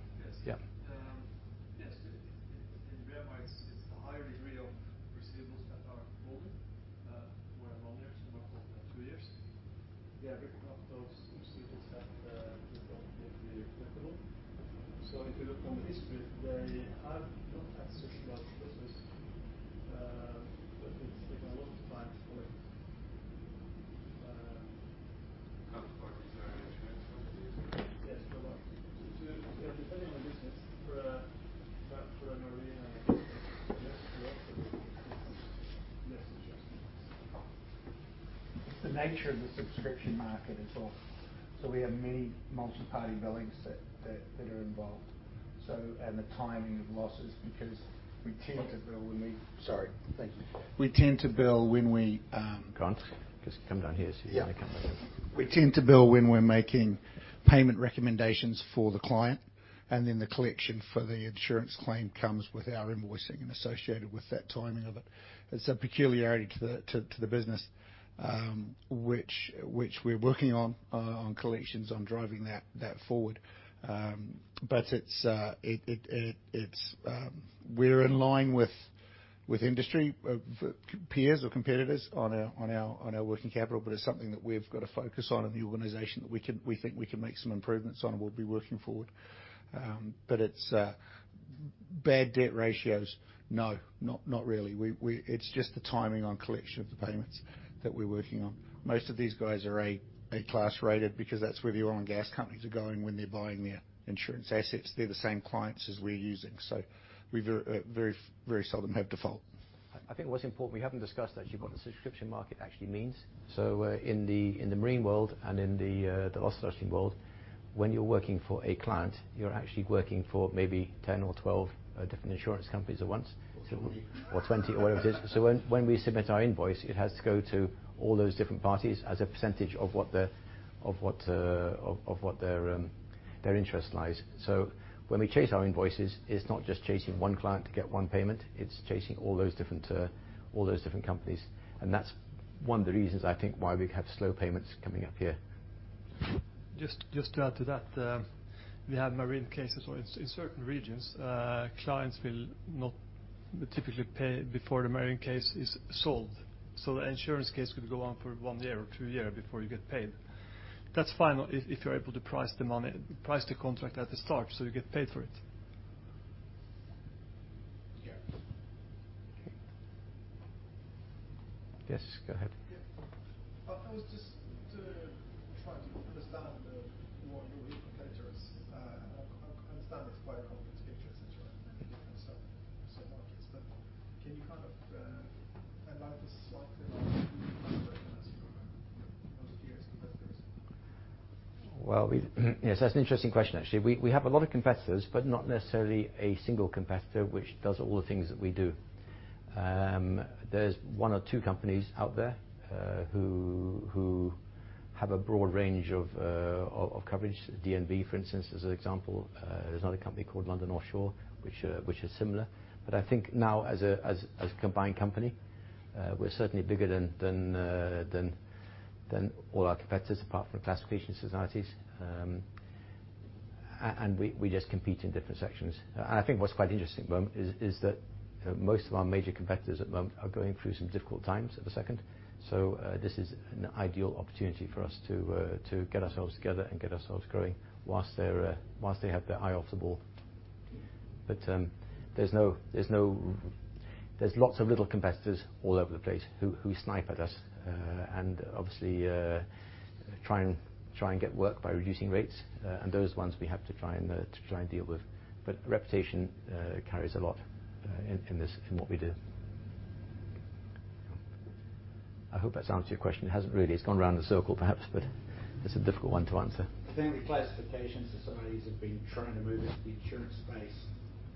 which we're working on collections, on driving that forward. We're in line with industry peers or competitors on our working capital, it's something that we've got to focus on in the organization that we think we can make some improvements on and we'll be working forward. It's bad debt ratios, no, not really. It's just the timing on collection of the payments that we're working on. Most of these guys are A class rated because that's where the oil and gas companies are going when they're buying their insurance assets. They're the same clients as we're using. We very seldom have default. I think what's important, we haven't discussed actually what the subscription market actually means. In the marine world and in the loss adjusting world, when you're working for a client, you're actually working for maybe 10 or 12 different insurance companies at once. 20. 20, or whatever it is. When we submit our invoice, it has to go to all those different parties as a percentage of what their interest lies. When we chase our invoices, it's not just chasing one client to get one payment, it's chasing all those different companies and that's one of the reasons I think why we have slow payments coming up here. Just to add to that, we have marine cases where in certain regions, clients will not typically pay before the marine case is solved. The insurance case could go on for one year or two year before you get paid. That's fine if you're able to price the money, price the contract at the start, so you get paid for it. Yeah. Yes, go ahead. Yeah. I was just trying to understand what your competitors. I understand it's quite a complex picture since you're in many different markets, but can you kind of allow us slightly competitors? Well, that's an interesting question, actually. We have a lot of competitors, not necessarily a single competitor which does all the things that we do. There's one or two companies out there who have a broad range of coverage. DNV, for instance, as an example. There's another company called LOC Group, which is similar. I think now as a combined company, we're certainly bigger than all our competitors apart from the classification societies. We just compete in different sections. I think what's quite interesting at the moment is that most of our major competitors at the moment are going through some difficult times at the moment. This is an ideal opportunity for us to get ourselves together and get ourselves growing whilst they have their eye off the ball. There's lots of little competitors all over the place who snipe at us. Obviously, try and get work by reducing rates. Those ones we have to try and deal with. Reputation carries a lot in what we do. I hope that's answered your question. It hasn't really, it's gone around in a circle perhaps, but it's a difficult one to answer. I think the classification societies have been trying to move into the insurance space,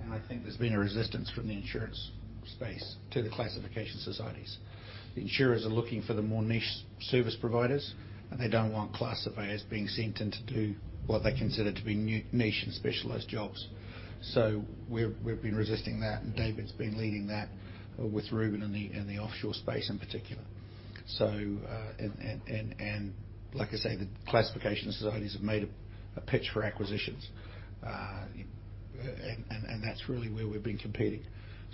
and I think there's been a resistance from the insurance space to the classification societies. The insurers are looking for the more niche service providers, and they don't want classifiers being sent in to do what they consider to be niche and specialized jobs. We've been resisting that, and David's been leading that with Reuben in the offshore space in particular. Like I say, the classification societies have made a pitch for acquisitions. That's really where we've been competing.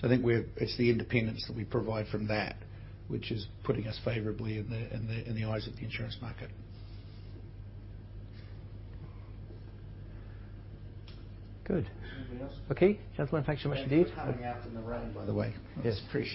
I think it's the independence that we provide from that which is putting us favorably in the eyes of the insurance market. Good. Anybody else? Okay. Gentlemen, thanks so much indeed. Thanks for coming out in the rain by the way. Yes. It's appreciated.